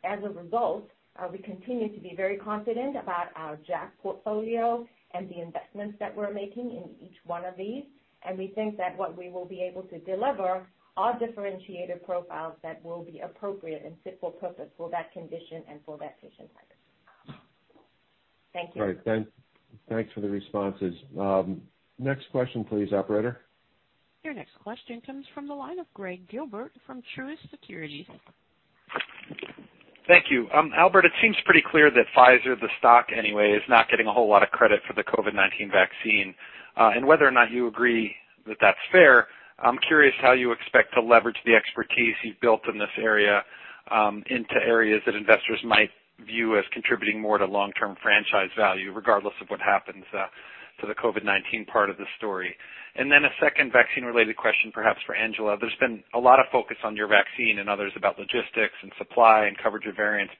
Speaker 8: as a result, we continue to be very confident about our JAK portfolio and the investments that we're making in each one of these. We think that what we will be able to deliver are differentiated profiles that will be appropriate and fit for purpose for that condition and for that patient type. Thank you.
Speaker 2: All right. Thanks for the responses. Next question, please, operator.
Speaker 1: Your next question comes from the line of Gregg Gilbert from Truist Securities.
Speaker 9: Thank you. Albert, it seems pretty clear that Pfizer, the stock anyway, is not getting a whole lot of credit for the COVID-19 vaccine. Whether or not you agree that that's fair, I'm curious how you expect to leverage the expertise you've built in this area into areas that investors might view as contributing more to long-term franchise value, regardless of what happens to the COVID-19 part of the story. Then a second vaccine-related question, perhaps for Angela. There's been a lot of focus on your vaccine and others about logistics and supply and coverage of variants.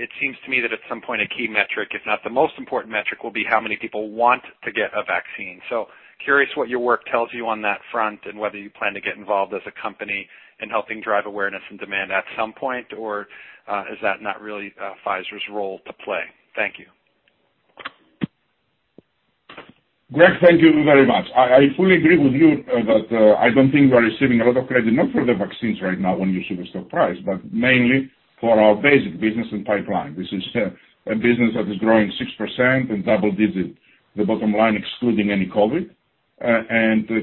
Speaker 9: It seems to me that at some point, a key metric, if not the most important metric, will be how many people want to get a vaccine. Curious what your work tells you on that front and whether you plan to get involved as a company in helping drive awareness and demand at some point, or is that not really Pfizer's role to play? Thank you.
Speaker 3: Gregg, thank you very much. I fully agree with you that I don't think we're receiving a lot of credit, not for the vaccines right now when you see the stock price, but mainly for our basic business and pipeline. This is a business that is growing 6% in double digits. The bottom line, excluding any COVID,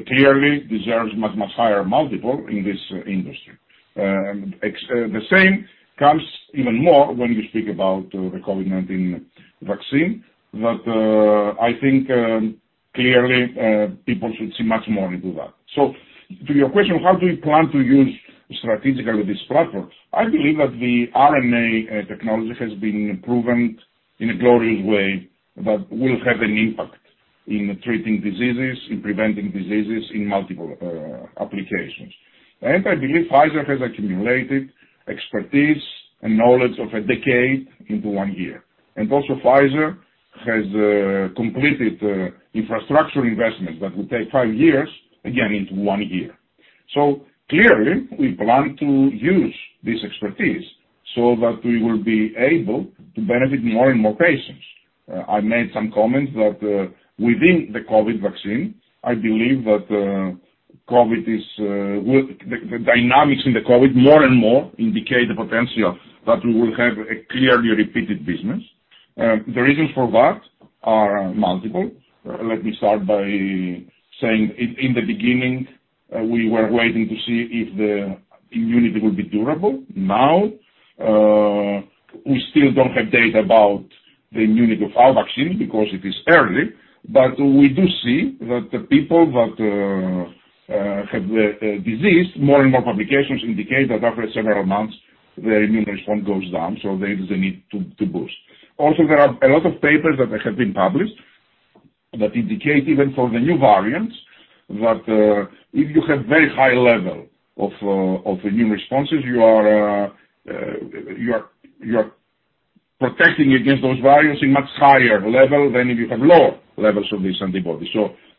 Speaker 3: clearly deserves much, much higher multiple in this industry. The same comes even more when we speak about the COVID-19 vaccine, I think clearly, people should see much more into that. To your question, how do we plan to use strategically this platform? I believe that the RNA technology has been proven in a glorious way that will have an impact in treating diseases, in preventing diseases in multiple applications. I believe Pfizer has accumulated expertise and knowledge of a decade into one year. Also, Pfizer has completed infrastructure investments that will take five years, again into one year. Clearly, we plan to use this expertise so that we will be able to benefit more and more patients. I made some comments that within the COVID vaccine, I believe that the dynamics in the COVID more and more indicate the potential that we will have a clearly repeated business. The reasons for that are multiple. Let me start by saying in the beginning, we were waiting to see if the immunity will be durable. We still don't have data about the immunity of our vaccine because it is early, but we do see that the people that have the disease, more and more publications indicate that after several months, their immune response goes down, so there is a need to boost. There are a lot of papers that have been published that indicate even for the new variants. If you have very high level of immune responses, you are protecting against those variants in much higher level than if you have lower levels of these antibodies.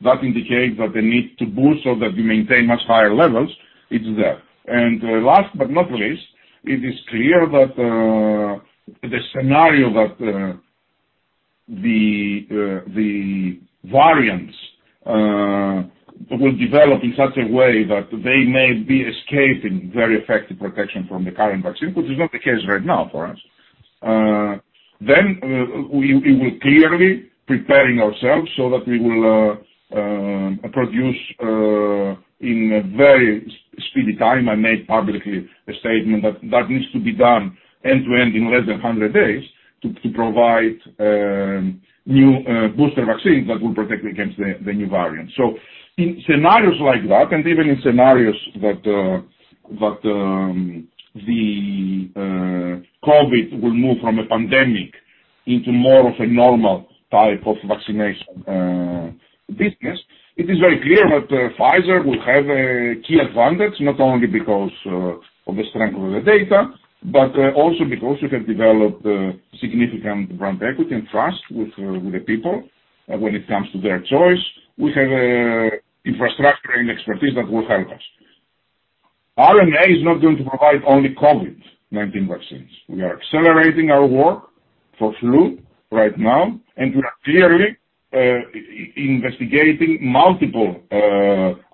Speaker 3: That indicates that the need to boost or that you maintain much higher levels is there. Last but not least, it is clear that the scenario that the variants will develop in such a way that they may be escaping very effective protection from the current vaccine, which is not the case right now for us. We will clearly be preparing ourselves so that we will produce in a very speedy time and make publicly a statement that needs to be done end-to-end in less than 100 days to provide new booster vaccines that will protect against the new variant. In scenarios like that, and even in scenarios that the COVID will move from a pandemic into more of a normal type of vaccination business, it is very clear that Pfizer will have a key advantage, not only because of the strength of the data, but also because we have developed significant brand equity and trust with the people when it comes to their choice. We have infrastructure and expertise that will help us. RNA is not going to provide only COVID-19 vaccines. We are accelerating our work for flu right now, we are clearly investigating multiple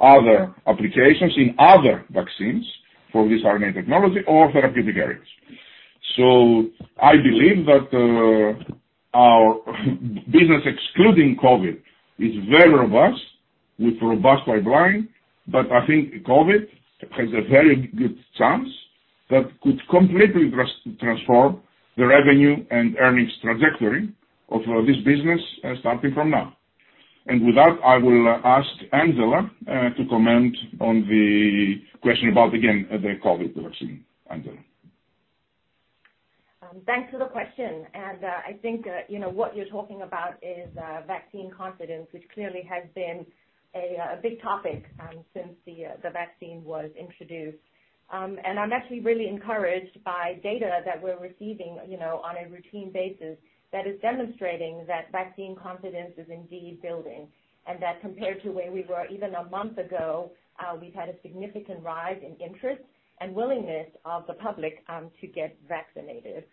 Speaker 3: other applications in other vaccines for this RNA technology or therapeutic areas. I believe that our business, excluding COVID, is very robust with robust pipeline. I think COVID has a very good chance that could completely transform the revenue and earnings trajectory of this business starting from now. With that, I will ask Angela to comment on the question about, again, the COVID vaccine. Angela.
Speaker 8: Thanks for the question. I think what you're talking about is vaccine confidence, which clearly has been a big topic since the vaccine was introduced. I'm actually really encouraged by data that we're receiving on a routine basis that is demonstrating that vaccine confidence is indeed building, and that compared to where we were even a month ago, we've had a significant rise in interest and willingness of the public to get vaccinated.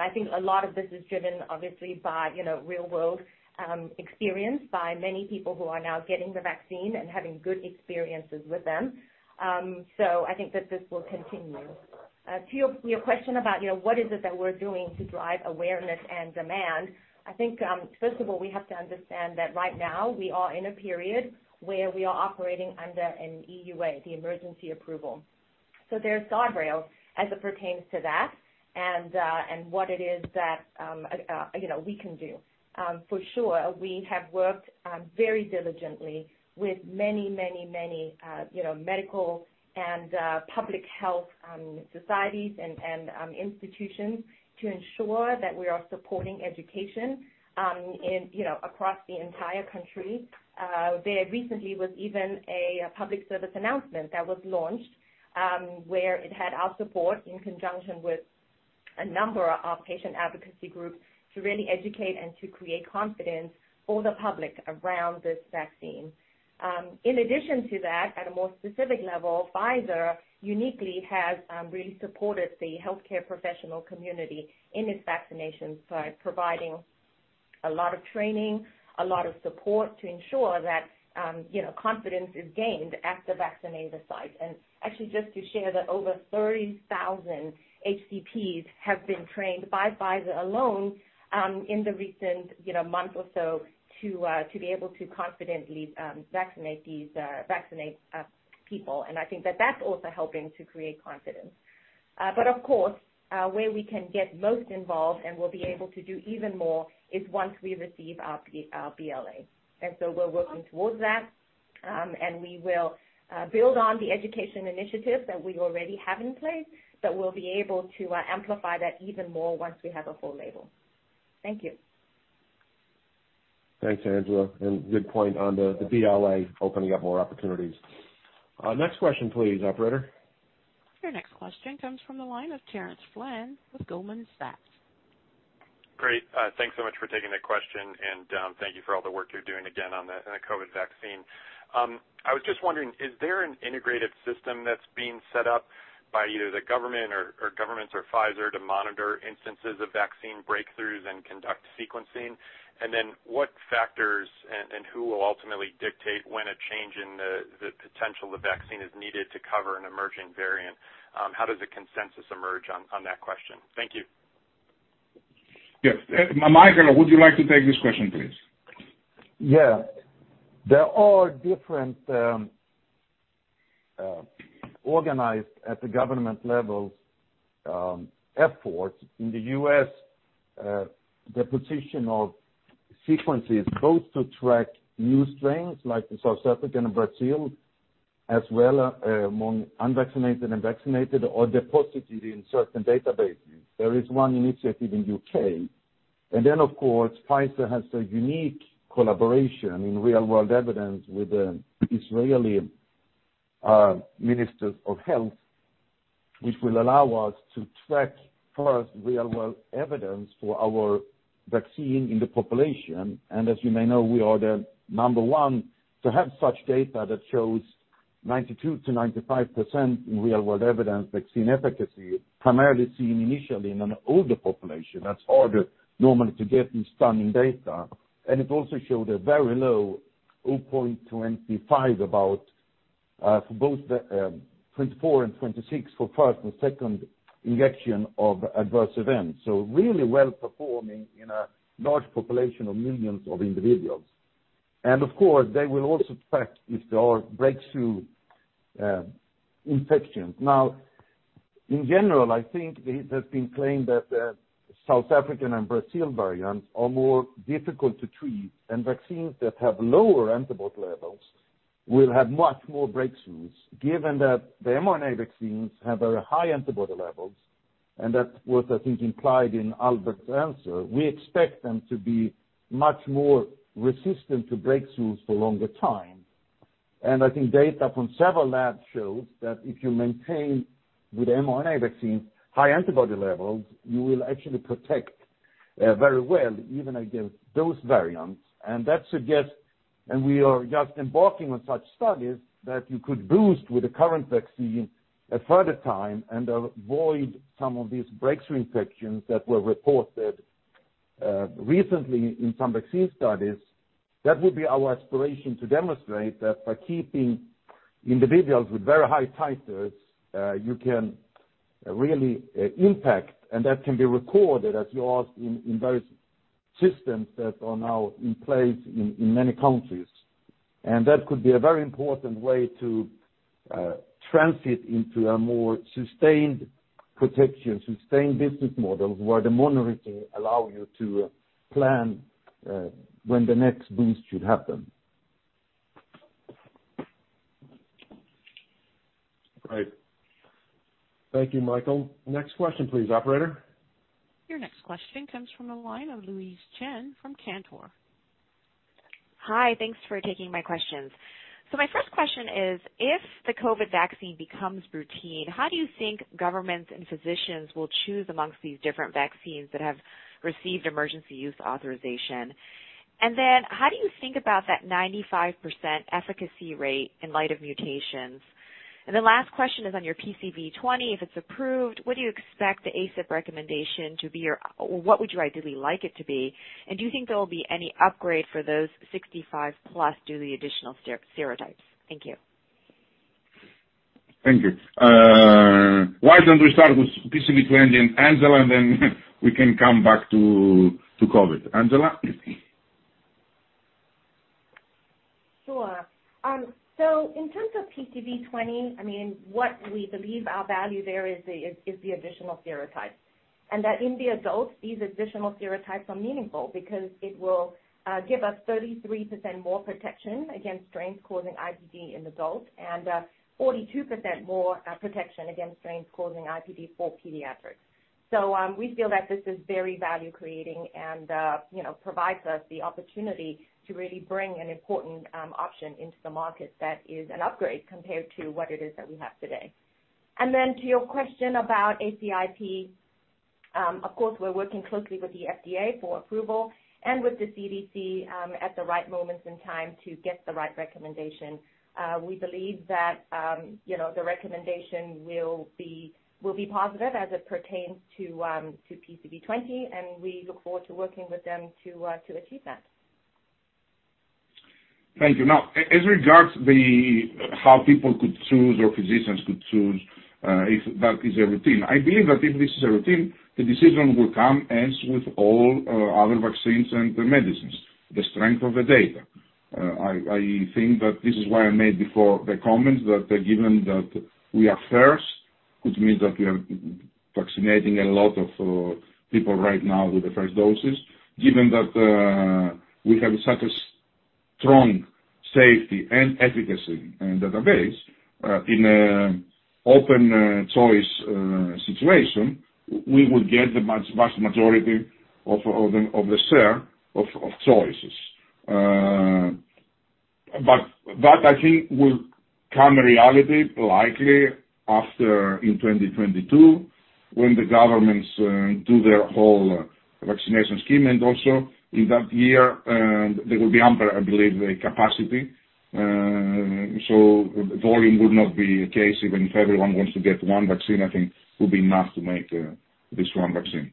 Speaker 8: I think a lot of this is driven, obviously, by real-world experience by many people who are now getting the vaccine and having good experiences with them. I think that this will continue. To your question about what is it that we're doing to drive awareness and demand, I think, first of all, we have to understand that right now we are in a period where we are operating under an EUA, the emergency approval. There's guardrails as it pertains to that and what it is that we can do. For sure, we have worked very diligently with many medical and public health societies and institutions to ensure that we are supporting education across the entire country. There recently was even a public service announcement that was launched, where it had our support in conjunction with a number of patient advocacy groups to really educate and to create confidence for the public around this vaccine. In addition to that, at a more specific level, Pfizer uniquely has really supported the healthcare professional community in its vaccination by providing a lot of training, a lot of support to ensure that confidence is gained at the vaccinator site. Actually, just to share that over 30,000 HCPs have been trained by Pfizer alone in the recent month or so to be able to confidently vaccinate people. I think that that's also helping to create confidence. Of course, where we can get most involved and will be able to do even more is once we receive our BLA. We're working towards that, and we will build on the education initiatives that we already have in place, but we'll be able to amplify that even more once we have a full label. Thank you.
Speaker 2: Thanks, Angela. Good point on the BLA opening up more opportunities. Next question, please, operator.
Speaker 1: Your next question comes from the line of Terence Flynn with Goldman Sachs.
Speaker 10: Great. Thanks so much for taking the question, and thank you for all the work you're doing again on the COVID vaccine. I was just wondering, is there an integrated system that's being set up by either the government or governments or Pfizer to monitor instances of vaccine breakthroughs and conduct sequencing? Then what factors and who will ultimately dictate when a change in the potential of the vaccine is needed to cover an emerging variant? How does a consensus emerge on that question? Thank you.
Speaker 3: Yes. Mikael, would you like to take this question, please?
Speaker 7: Yeah. There are different organized at the government levels efforts in the U.S. deposition of sequences both to track new strains like the South African and Brazil. As well, among unvaccinated and vaccinated, are deposited in certain databases. There is one initiative in the U.K. Of course, Pfizer has a unique collaboration in real world evidence with the Israeli Ministry of Health, which will allow us to track first real world evidence for our vaccine in the population. As you may know, we are the number one to have such data that shows 92%-95% in real world evidence vaccine efficacy, primarily seen initially in an older population. That's harder normally to get this stunning data. It also showed a very low, 0.25, about, for both the 24 and 26 for first and second injection of adverse events. Really well-performing in a large population of millions of individuals. Of course, they will also track if there are breakthrough infections. Now, in general, I think it has been claimed that the South Africa and Brazil variants are more difficult to treat, and vaccines that have lower antibody levels will have much more breakthroughs. Given that the mRNA vaccines have very high antibody levels, and that was, I think, implied in Albert's answer. We expect them to be much more resistant to breakthroughs for longer time. I think data from several labs shows that if you maintain with mRNA vaccine high antibody levels, you will actually protect very well, even against those variants. That suggests, and we are just embarking on such studies, that you could boost with the current vaccine a further time and avoid some of these breakthrough infections that were reported recently in some vaccine studies. That would be our aspiration to demonstrate that by keeping individuals with very high titers, you can really impact, and that can be recorded as you ask in various systems that are now in place in many countries. That could be a very important way to transit into a more sustained protection, sustained business model, where the monitoring allow you to plan when the next boost should happen.
Speaker 2: Great. Thank you, Mikael. Next question, please, operator.
Speaker 1: Your next question comes from the line of Louise Chen from Cantor.
Speaker 11: Hi. Thanks for taking my questions. My first question is, if the COVID vaccine becomes routine, how do you think governments and physicians will choose amongst these different vaccines that have received emergency use authorization? How do you think about that 95% efficacy rate in light of mutations? The last question is on your PCV20. If it's approved, what do you expect the ACIP recommendation to be, or what would you ideally like it to be? Do you think there will be any upgrade for those 65+ due to the additional serotypes? Thank you.
Speaker 3: Thank you. Why don't we start with PCV20 and Angela, and then we can come back to COVID. Angela?
Speaker 8: Sure. In terms of PCV20, what we believe our value there is the additional serotypes. In the adults, these additional serotypes are meaningful because it will give us 33% more protection against strains causing IPD in adults and 42% more protection against strains causing IPD for pediatrics. We feel that this is very value creating and provides us the opportunity to really bring an important option into the market that is an upgrade compared to what it is that we have today. To your question about ACIP, of course, we're working closely with the FDA for approval and with the CDC at the right moments in time to get the right recommendation. We believe that the recommendation will be positive as it pertains to PCV20, and we look forward to working with them to achieve that.
Speaker 3: Thank you. As regards how people could choose or physicians could choose if that is a routine. I believe that if this is a routine, the decision will come as with all other vaccines and the medicines, the strength of the data. I think that this is why I made before the comments that are given that we are first, which means that we are vaccinating a lot of people right now with the first doses. Given that we have such a strong safety and efficacy database in an open choice situation, we would get the vast majority of the share of choices. That I think will come a reality likely after in 2022 when the governments do their whole vaccination scheme. Also in that year, there will be ample, I believe, capacity. Volume would not be a case even if everyone wants to get one vaccine, I think would be enough to make this one vaccine.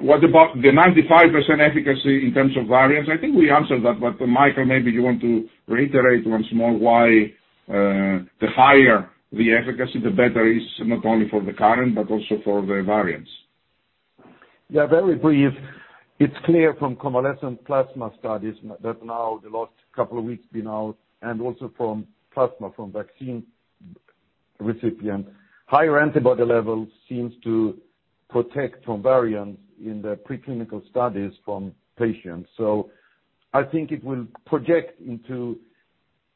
Speaker 3: What about the 95% efficacy in terms of variants? I think we answered that, but Mikael, maybe you want to reiterate once more why the higher the efficacy, the better is not only for the current but also for the variants.
Speaker 7: Yeah, very brief. It's clear from convalescent plasma studies that now the last couple of weeks been out, and also from plasma from vaccine recipient. Higher antibody levels seem to protect from variants in the preclinical studies from patients. I think it will project into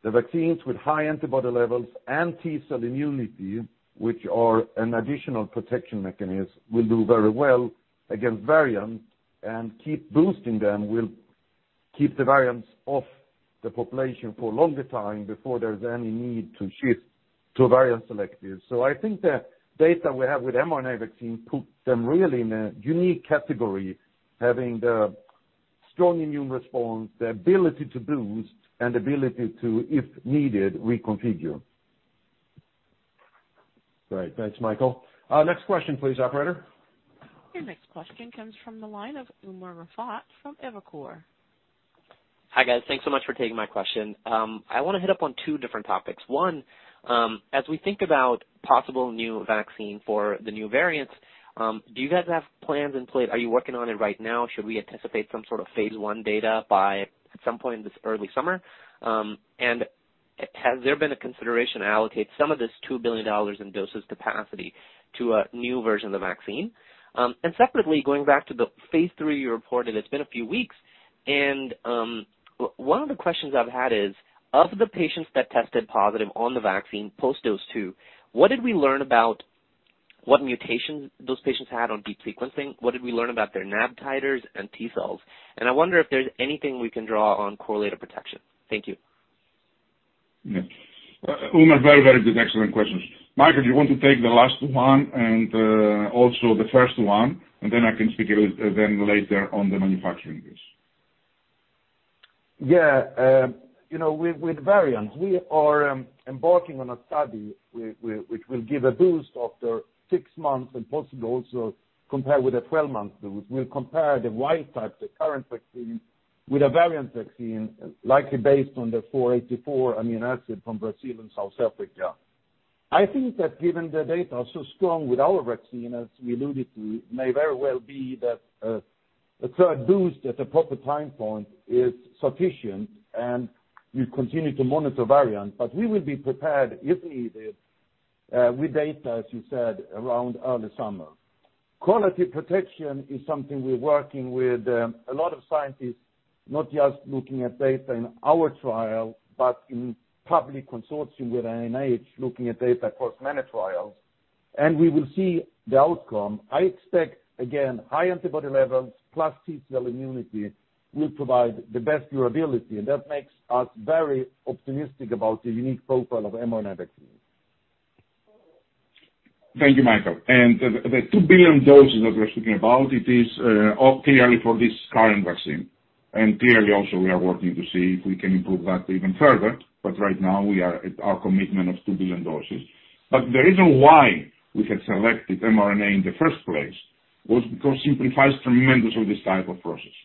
Speaker 7: the vaccines with high antibody levels and T-cell immunity, which are an additional protection mechanism, will do very well against variants, and keep boosting them will keep the variants off the population for a longer time before there's any need to shift to a variant-selective. I think the data we have with mRNA vaccine put them really in a unique category, having the strong immune response, the ability to boost, and ability to, if needed, reconfigure.
Speaker 2: Great. Thanks, Mikael. Next question, please, operator.
Speaker 1: Your next question comes from the line of Umer Raffat from Evercore.
Speaker 12: Hi, guys. Thanks so much for taking my question. I want to hit up on two different topics. One, as we think about possible new vaccine for the new variants, do you guys have plans in place? Are you working on it right now? Should we anticipate some sort of phase I data by some point this early summer? Has there been a consideration to allocate some of this $2 billion in doses capacity to a new version of the vaccine? Separately, going back to the phase III you reported, it's been a few weeks, and one of the questions I've had is, of the patients that tested positive on the vaccine post dose two, what did we learn about what mutations those patients had on deep sequencing? What did we learn about their nAb titers and T-cells? I wonder if there's anything we can draw on correlative protection. Thank you.
Speaker 3: Yeah. Umer, very good. Excellent questions. Mikael, do you want to take the last one and also the first one, and then I can speak then later on the manufacturing piece.
Speaker 7: With variants, we are embarking on a study which will give a boost after six months and possibly also compare with a 12-month boost. We'll compare the wild type, the current vaccine, with a variant vaccine, likely based on the E484 amino acid from Brazil and South Africa. I think that given the data is so strong with our vaccine, as we alluded to, may very well be that a third boost at the proper time point is sufficient, and we continue to monitor variants. We will be prepared, if needed, with data, as you said, around early summer. Quality protection is something we're working with a lot of scientists, not just looking at data in our trial, but in public consortium with NIH, looking at data across many trials. We will see the outcome. I expect, again, high antibody levels plus T-cell immunity will provide the best durability, and that makes us very optimistic about the unique profile of mRNA.
Speaker 3: Thank you, Mikael. The 2 billion doses that we're speaking about, it is all clearly for this current vaccine. Clearly also we are working to see if we can improve that even further. Right now, we are at our commitment of 2 billion doses. The reason why we had selected mRNA in the first place was because it simplifies tremendously this type of process.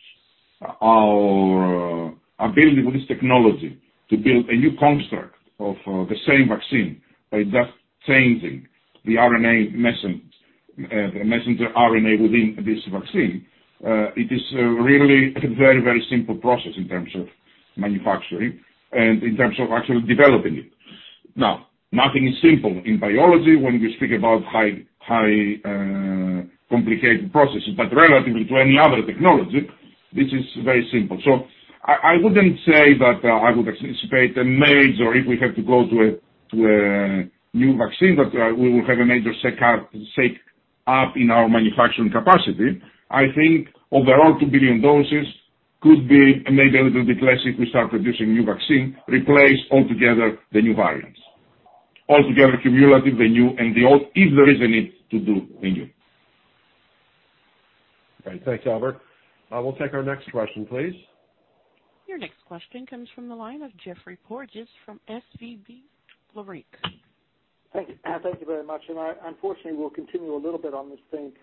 Speaker 3: Our ability with this technology to build a new construct of the same vaccine by just changing the messenger RNA within this vaccine, it is really a very simple process in terms of manufacturing and in terms of actually developing it. Now, nothing is simple in biology when we speak about high complicated processes, but relative to any other technology, this is very simple. I wouldn't say that I would anticipate a major, if we have to go to a new vaccine, that we will have a major shake up in our manufacturing capacity. I think overall, 2 billion doses could be maybe a little bit less if we start producing new vaccine, replace altogether the new variants. Altogether, cumulative, the new and the old, if there is a need to do the new.
Speaker 2: Great. Thanks, Albert. We'll take our next question, please.
Speaker 1: Your next question comes from the line of Geoffrey Porges from SVB Leerink.
Speaker 13: Thank you. Thank you very much. I unfortunately will continue a little bit on this theme.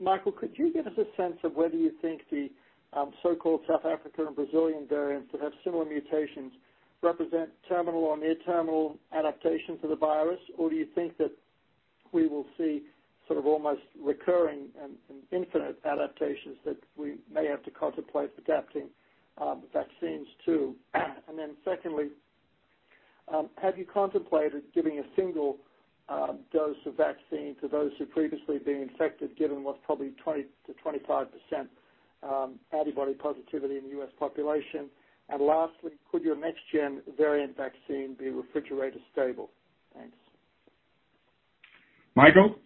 Speaker 13: Mikael, could you give us a sense of whether you think the so-called South African, Brazilian variants that have similar mutations represent terminal or near terminal adaptation to the virus? Do you think that we will see sort of almost recurring and infinite adaptations that we may have to contemplate adapting vaccines to? Secondly, have you contemplated giving a single dose of vaccine to those who've previously been infected, given what's probably 20%-25% antibody positivity in the U.S. population? Lastly, could your next gen variant vaccine be refrigerator stable? Thanks.
Speaker 3: Mikael?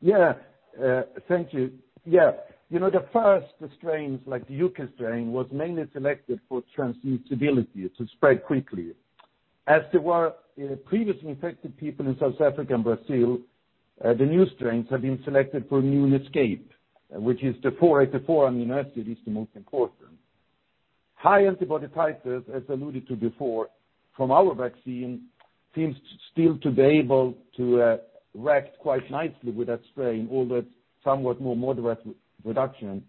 Speaker 7: Yeah. Thank you. Yeah. The first strains, like the U.K. strain, was mainly selected for transmissibility to spread quickly. As there were previously infected people in South Africa and Brazil, the new strains have been selected for immune escape, which is the E484 amino acid is the most important. High antibody titers, as alluded to before, from our vaccine seems still to be able to react quite nicely with that strain, albeit somewhat more moderate reduction.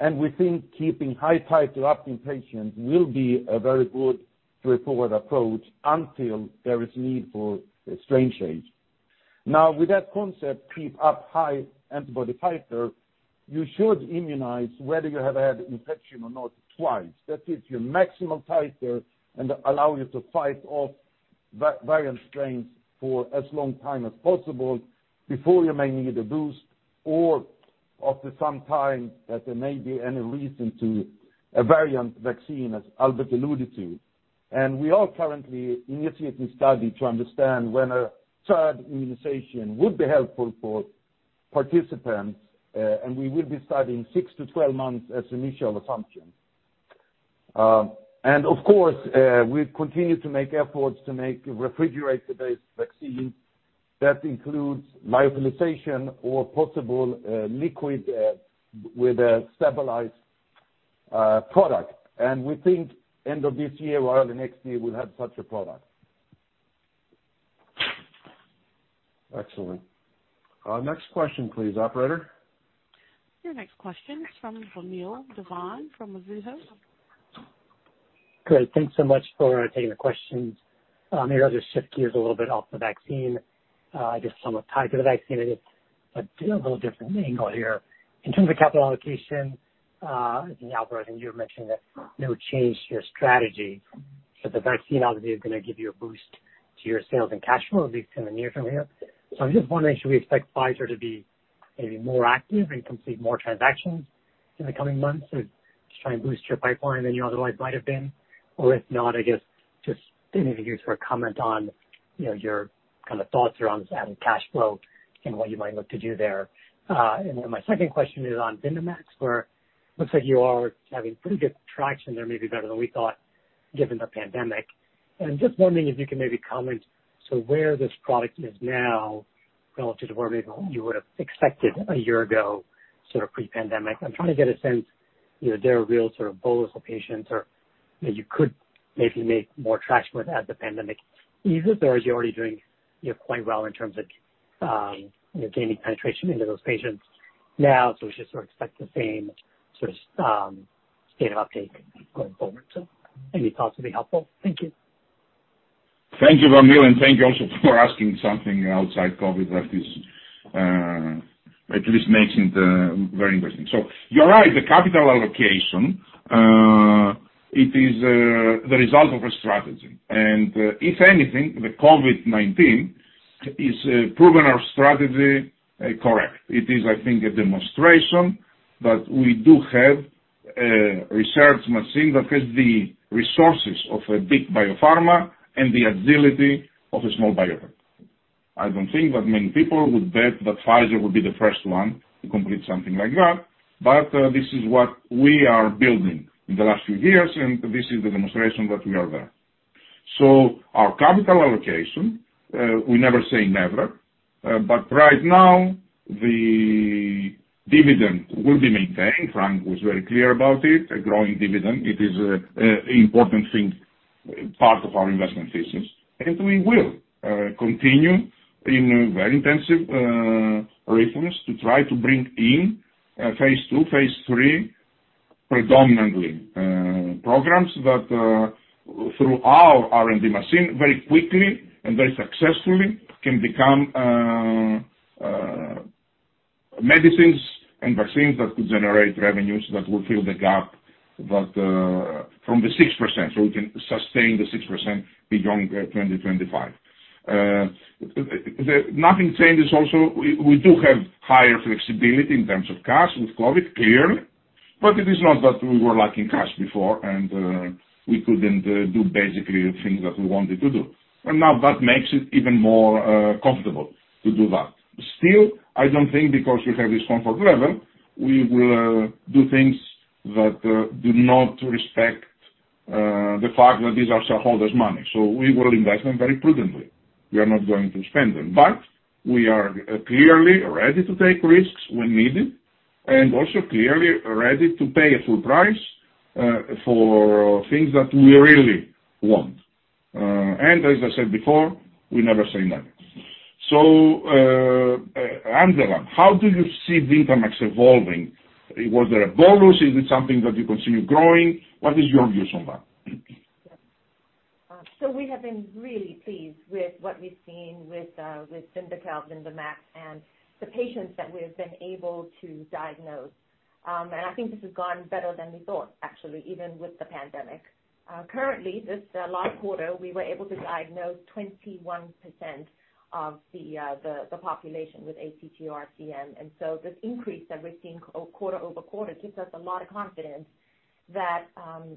Speaker 7: We think keeping high titer up in patients will be a very good going forward approach until there is need for a strain change. Now with that concept, keep up high antibody titer, you should immunize whether you have had infection or not twice. That is your maximal titer and allow you to fight off variant strains for as long time as possible before you may need a boost or after some time that there may be any reason to a variant vaccine, as Albert alluded to. We are currently initiating study to understand when a third immunization would be helpful for participants. We will be studying 6-12 months as initial assumption. Of course, we continue to make efforts to make refrigerated-based vaccine that includes lyophilization or possible liquid with a stabilized product. We think end of this year or early next year, we'll have such a product.
Speaker 2: Excellent. Next question, please, operator.
Speaker 1: Your next question is from Vamil Divan, from Mizuho.
Speaker 14: Great. Thanks so much for taking the questions. Maybe I'll just shift gears a little bit off the vaccine. I guess somewhat tied to the vaccine, but a little different angle here. In terms of capital allocation, I think, Albert, I think you mentioned that they would change their strategy, but the vaccine obviously is going to give you a boost to your sales and cash flow, at least in the near term here. I'm just wondering, should we expect Pfizer to be maybe more active and complete more transactions in the coming months to try and boost your pipeline than you otherwise might have been? If not, I guess just maybe you sort of comment on your thoughts around this added cash flow and what you might look to do there. My second question is on VYNDAMAX, where looks like you are having pretty good traction there, maybe better than we thought given the pandemic. Just wondering if you can maybe comment, so where this product is now relative to where maybe you would have expected a year ago sort of pre-pandemic. I'm trying to get a sense, is there a real sort of bolus of patients or you could maybe make more traction with as the pandemic eases, or is you're already doing quite well in terms of gaining penetration into those patients now, so we should sort of expect the same sort of state of uptake going forward? Any thoughts would be helpful. Thank you.
Speaker 3: Thank you, Vamil, and thank you also for asking something outside COVID that is at least making the very interesting. You're right, the capital allocation, it is the result of a strategy. If anything, the COVID-19 is proving our strategy correct. It is, I think, a demonstration that we do have a research machine that has the resources of a big biopharma and the agility of a small biotech. I don't think that many people would bet that Pfizer would be the first one to complete something like that. This is what we are building in the last few years, and this is the demonstration that we are there. Our capital allocation, we never say never. Right now, the dividend will be maintained. Frank was very clear about it, a growing dividend. It is important thing, part of our investment thesis. We will continue in very intensive rhythms to try to bring in phase II, phase III predominantly programs that through our R&D machine very quickly and very successfully can become medicines and vaccines that could generate revenues that will fill the gap from the 6%, so we can sustain the 6% beyond 2025. Nothing changes. Also, we do have higher flexibility in terms of cash with COVID, clearly, but it is not that we were lacking cash before and we couldn't do basically things that we wanted to do. Now that makes it even more comfortable to do that. Still, I don't think because we have this comfort level, we will do things that do not respect the fact that this is our shareholders' money. We will invest them very prudently. We are not going to spend them. We are clearly ready to take risks when needed and also clearly ready to pay a full price for things that we really want. As I said before, we never say never. Angela, how do you see VYNDAMAX evolving? Was there a bolus? Is it something that you continue growing? What is your views on that?
Speaker 8: We have been really pleased with what we've seen with VYNDAQEL, VYNDAMAX and the patients that we've been able to diagnose. I think this has gone better than we thought, actually, even with the pandemic. Currently, this last quarter, we were able to diagnose 21% of the population with ATTR-CM. This increase that we're seeing quarter-over-quarter gives us a lot of confidence that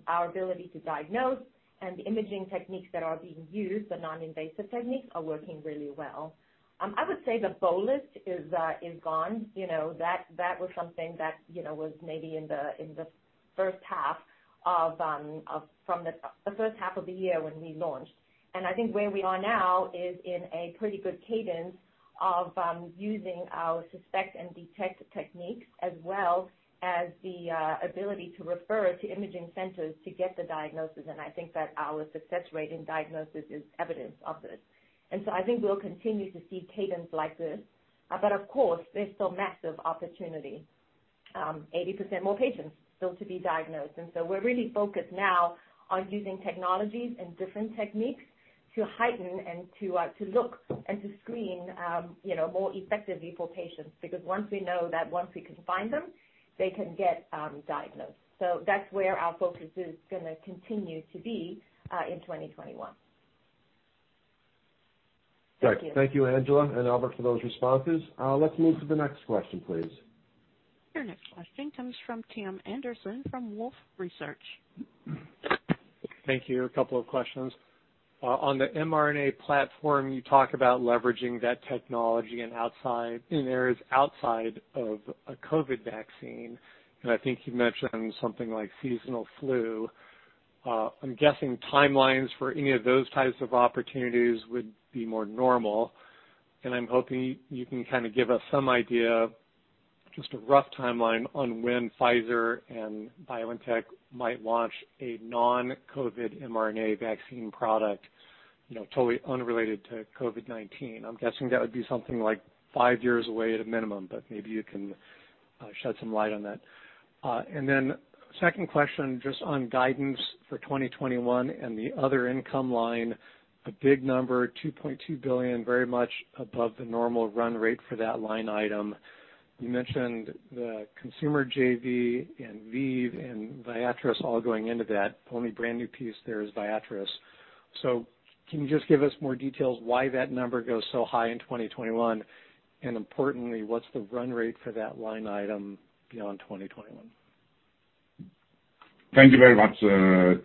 Speaker 8: our ability to diagnose and the imaging techniques that are being used, the non-invasive techniques, are working really well. I would say the bolus is gone. That was something that was maybe in the first half of the year when we launched. I think where we are now is in a pretty good cadence of using our suspect and detect techniques as well as the ability to refer to imaging centers to get the diagnosis, and I think that our success rate in diagnosis is evidence of this. I think we'll continue to see cadence like this. Of course, there's still massive opportunity 80% more patients still to be diagnosed. We're really focused now on using technologies and different techniques to heighten and to look and to screen more effectively for patients, because once we know that we can find them, they can get diagnosed. That's where our focus is going to continue to be in 2021.
Speaker 2: Great. Thank you, Angela and Albert, for those responses. Let's move to the next question, please.
Speaker 1: Your next question comes from Tim Anderson from Wolfe Research.
Speaker 15: Thank you. A couple of questions. On the mRNA platform, you talk about leveraging that technology in areas outside of a COVID vaccine, and I think you mentioned something like seasonal flu. I'm guessing timelines for any of those types of opportunities would be more normal, and I'm hoping you can give us some idea, just a rough timeline on when Pfizer and BioNTech might launch a non-COVID mRNA vaccine product, totally unrelated to COVID-19. I'm guessing that would be something like five years away at a minimum, but maybe you can shed some light on that. Then second question, just on guidance for 2021 and the other income line, the big number, $2.2 billion, very much above the normal run rate for that line item. You mentioned the consumer JV and ViiV and Viatris all going into that. Only brand-new piece there is Viatris. Can you just give us more details why that number goes so high in 2021? Importantly, what's the run rate for that line item beyond 2021?
Speaker 3: Thank you very much,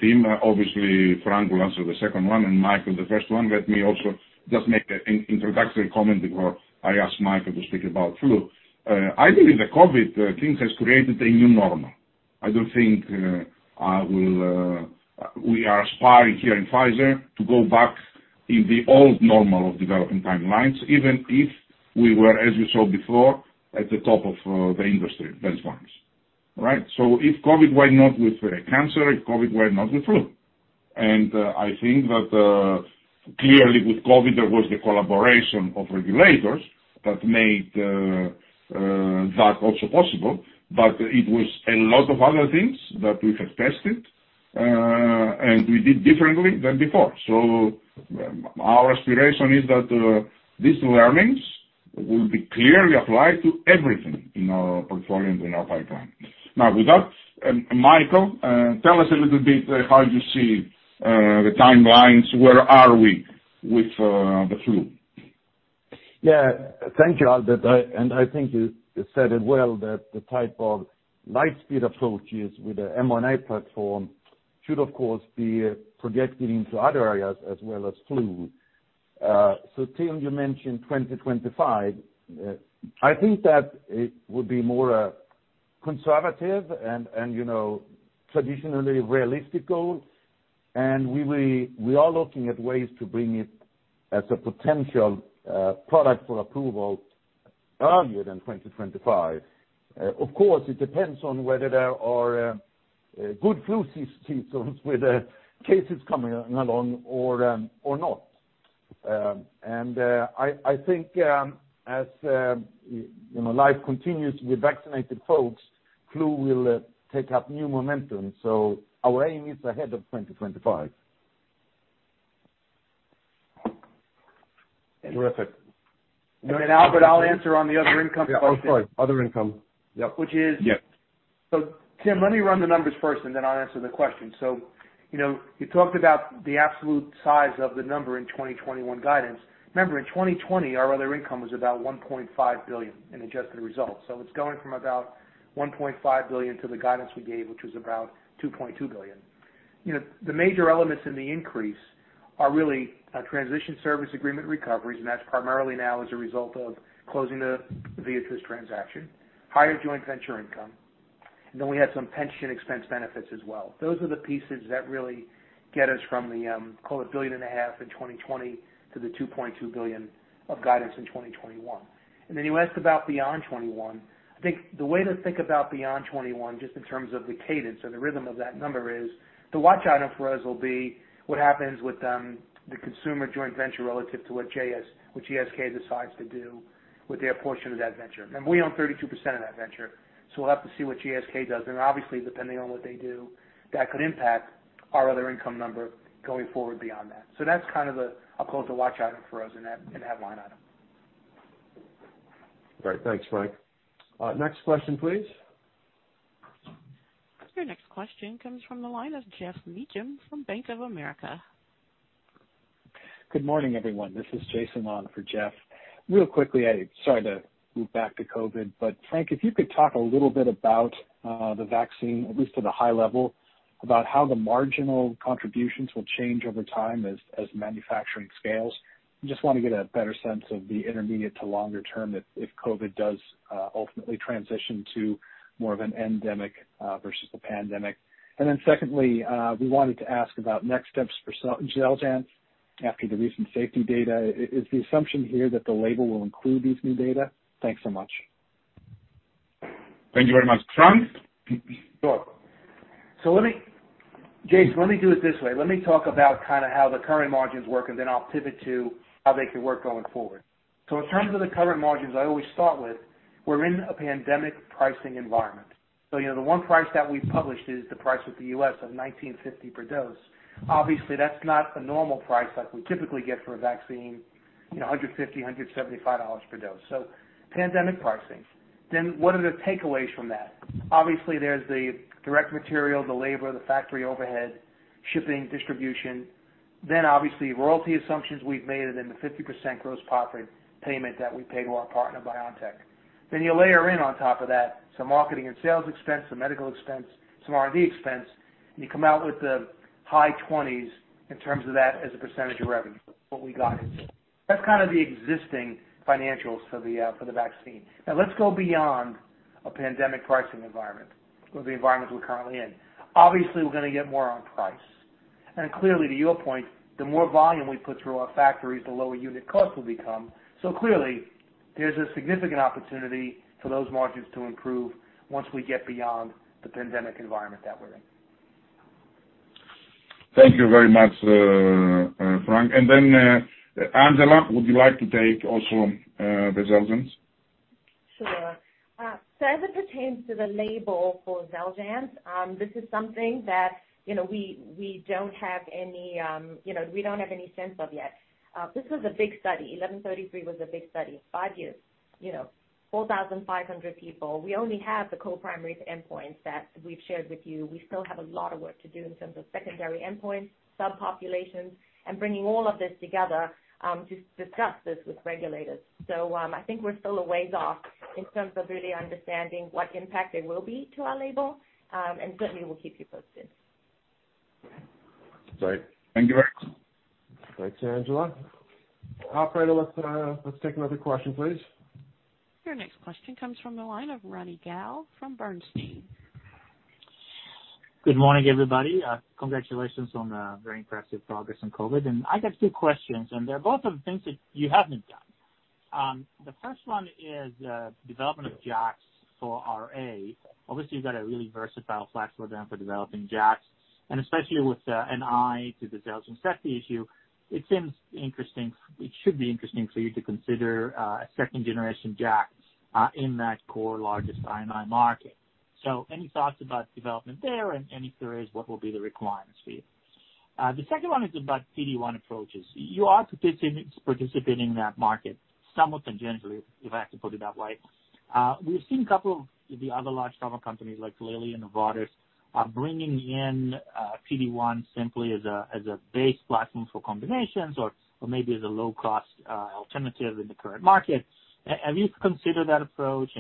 Speaker 3: Tim. Obviously, Frank will answer the second one and Mikael the first one. Let me also just make an introductory comment before I ask Mikael to speak about flu. I believe the COVID thing has created a new normal. I don't think we are aspiring here in Pfizer to go back in the old normal of developing timelines, even if we were, as you saw before, at the top of the industry benchmarks. Right? If COVID, why not with cancer? If COVID, why not with flu? I think that clearly with COVID, there was the collaboration of regulators that made that also possible, but it was a lot of other things that we have tested and we did differently than before. Our aspiration is that these learnings will be clearly applied to everything in our portfolio, in our pipeline. With that, Mikael, tell us a little bit how you see the timelines. Where are we with the flu?
Speaker 7: Thank you, Albert, I think you said it well that the type of light-speed approaches with the mRNA platform should, of course, be projected into other areas as well as flu. Tim, you mentioned 2025. I think that it would be more conservative and traditionally realistic goal, we are looking at ways to bring it as a potential product for approval earlier than 2025. Of course, it depends on whether there are good flu seasons with cases coming along or not. I think as life continues with vaccinated folks, flu will take up new momentum. Our aim is ahead of 2025.
Speaker 15: Terrific.
Speaker 4: Albert, I'll answer on the other income question.
Speaker 15: Oh, sorry. Other income.
Speaker 4: Yep.
Speaker 15: Yeah.
Speaker 4: Tim, let me run the numbers first and then I'll answer the question. You talked about the absolute size of the number in 2021 guidance. Remember, in 2020, our other income was about $1.5 billion in adjusted results. It's going from about $1.5 billion to the guidance we gave, which was about $2.2 billion. The major elements in the increase are really transition service agreement recoveries, and that's primarily now as a result of closing the Viatris transaction, higher joint venture income, and then we had some pension expense benefits as well. Those are the pieces that really get us from the call it a billion and a half in 2020 to the $2.2 billion of guidance in 2021. You asked about beyond 2021. I think the way to think about beyond 2021, just in terms of the cadence or the rhythm of that number is the watch item for us will be what happens with the consumer joint venture relative to what GSK decides to do with their portion of that venture. We own 32% of that venture, so we'll have to see what GSK does. Obviously, depending on what they do, that could impact our other income number going forward beyond that. That's the, I'll call it the watch item for us in that line item.
Speaker 2: Great. Thanks, Mike. Next question, please.
Speaker 1: Your next question comes from the line of Geoff Meacham from Bank of America.
Speaker 16: Good morning, everyone. This is Jason on for Geoff. Real quickly, sorry to move back to COVID, but Frank, if you could talk a little bit about the vaccine, at least at a high level, about how the marginal contributions will change over time as manufacturing scales. I just want to get a better sense of the intermediate to longer term if COVID does ultimately transition to more of an endemic versus a pandemic. Secondly, we wanted to ask about next steps for XELJANZ after the recent safety data. Is the assumption here that the label will include these new data? Thanks so much.
Speaker 3: Thank you very much. Frank?
Speaker 4: Sure. Jason, let me do it this way. Let me talk about how the current margins work. Then I'll pivot to how they can work going forward. In terms of the current margins, I always start with, we're in a pandemic pricing environment. The one price that we published is the price with the U.S. of $19.50 per dose. Obviously, that's not a normal price like we typically get for a vaccine, $150, $175 per dose. Pandemic pricing. What are the takeaways from that? Obviously, there's the direct material, the labor, the factory overhead, shipping, distribution, then obviously, royalty assumptions we've made, and then the 50% gross profit payment that we pay to our partner, BioNTech. You layer in on top of that, some marketing and sales expense, some medical expense, some R&D expense, and you come out with the high 20s in terms of that as a % of revenue. What we got. That's kind of the existing financials for the vaccine. Let's go beyond a pandemic pricing environment or the environment we're currently in. Obviously, we're going to get more on price. Clearly, to your point, the more volume we put through our factories, the lower unit cost will become. Clearly, there's a significant opportunity for those margins to improve once we get beyond the pandemic environment that we're in.
Speaker 3: Thank you very much, Frank. Angela, would you like to take also the XELJANZ?
Speaker 8: As it pertains to the label for XELJANZ, this is something that we don't have any sense of yet. This was a big study. 1133 was a big study, five years, 4,500 people. We only have the co-primary endpoints that we've shared with you. We still have a lot of work to do in terms of secondary endpoints, subpopulations, and bringing all of this together, to discuss this with regulators. I think we're still a ways off in terms of really understanding what impact it will be to our label. Certainly, we'll keep you posted.
Speaker 3: Great. Thank you very much.
Speaker 2: Thanks, Angela. Operator, let's take another question, please.
Speaker 1: Your next question comes from the line of Ronny Gal from Bernstein.
Speaker 17: Good morning, everybody. Congratulations on the very impressive progress on COVID. I got two questions, they're both on things that you haven't done. The first one is development of JAKs for RA. Obviously, you've got a really versatile platform for developing JAKs, and especially with an eye to the XELJANZ safety issue, it should be interesting for you to consider a second-generation JAK in that core largest I&I market. Any thoughts about development there? If there is, what will be the requirements for you? The second one is about PD-1 approaches. You are participating in that market somewhat tangentially, if I could put it that way. We've seen a couple of the other large pharma companies like Lilly and Novartis are bringing in PD-1 simply as a base platform for combinations or maybe as a low-cost alternative in the current market. Have you considered that approach?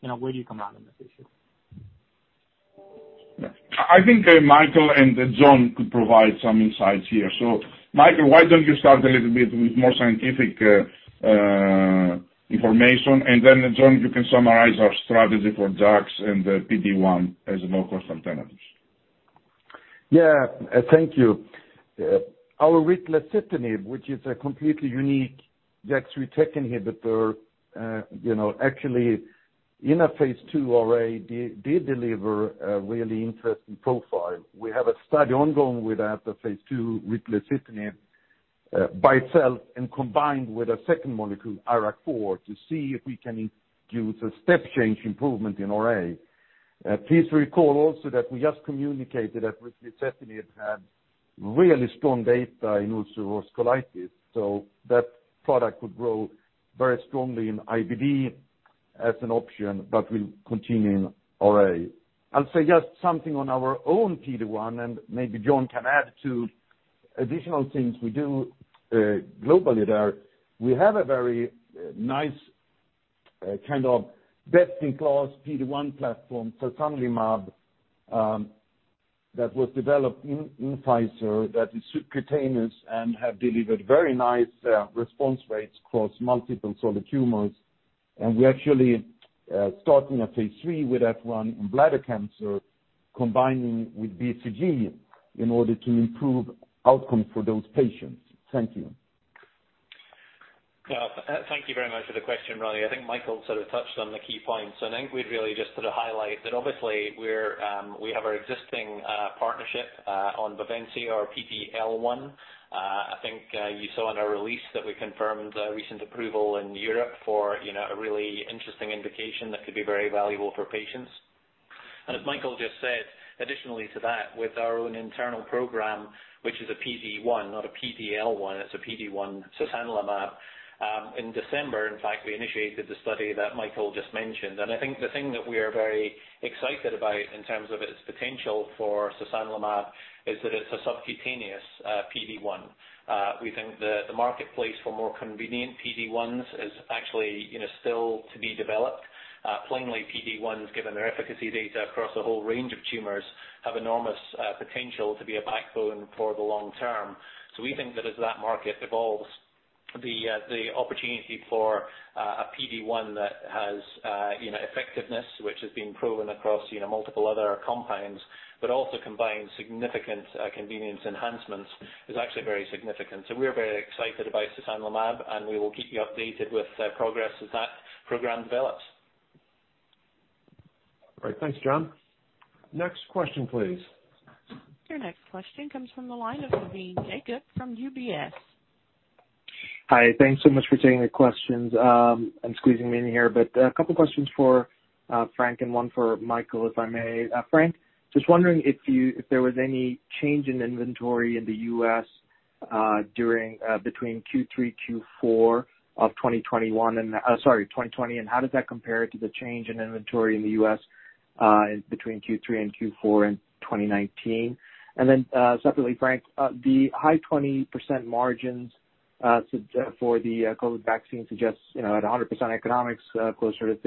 Speaker 17: Where do you come out in this issue?
Speaker 3: I think Mikael and John could provide some insights here. Mikael, why don't you start a little bit with more scientific information, and then John, you can summarize our strategy for JAKs and PD-1 as low-cost alternatives.
Speaker 7: Yeah. Thank you. Our ritlecitinib, which is a completely unique JAK3/TEC inhibitor, actually in a phase II already did deliver a really interesting profile. We have a study ongoing with that, the phase II ritlecitinib by itself and combined with a second molecule, IRAK4, to see if we can induce a step change improvement in RA. Please recall also that we just communicated that ritlecitinib had really strong data in ulcerative colitis, so that product could grow very strongly in IBD as an option, but we'll continue in RA. I'll say just something on our own PD-1, and maybe John can add to additional things we do globally there. We have a very nice best-in-class PD-1 platform, sasanlimab, that was developed in Pfizer that is subcutaneous and have delivered very nice response rates across multiple solid tumors. We're actually starting a phase III with F1 in bladder cancer, combining with BCG in order to improve outcomes for those patients. Thank you.
Speaker 18: Yeah. Thank you very much for the question, Ronny. I think Mikael sort of touched on the key points. I think we'd really just sort of highlight that obviously, we have our existing partnership on BAVENCIO or PD-L1. I think you saw in our release that we confirmed recent approval in Europe for a really interesting indication that could be very valuable for patients. As Mikael just said, additionally to that, with our own internal program, which is a PD-1, not a PD-L1, it's a PD-1 sasanlimab. In December, in fact, we initiated the study that Mikael just mentioned. I think the thing that we are very excited about in terms of its potential for sasanlimab is that it's a subcutaneous PD-1. We think that the marketplace for more convenient PD-1s is actually still to be developed. Plainly, PD-1s, given their efficacy data across a whole range of tumors, have enormous potential to be a backbone for the long term. We think that as that market evolves, the opportunity for a PD-1 that has effectiveness, which has been proven across multiple other compounds, but also combines significant convenience enhancements, is actually very significant. We're very excited about sasanlimab, and we will keep you updated with progress as that program develops.
Speaker 2: All right. Thanks, John. Next question, please.
Speaker 1: Your next question comes from the line of Navin Jacob from UBS.
Speaker 19: Hi. Thanks so much for taking the questions, and squeezing me in here. A couple questions for Frank, and one for Mikael, if I may. Frank, just wondering if there was any change in inventory in the U.S. between Q3, Q4 of 2020, and how does that compare to the change in inventory in the U.S. between Q3 and Q4 in 2019? Separately, Frank, the high 20% margins for the COVID vaccine suggests at 100% economics, somewhere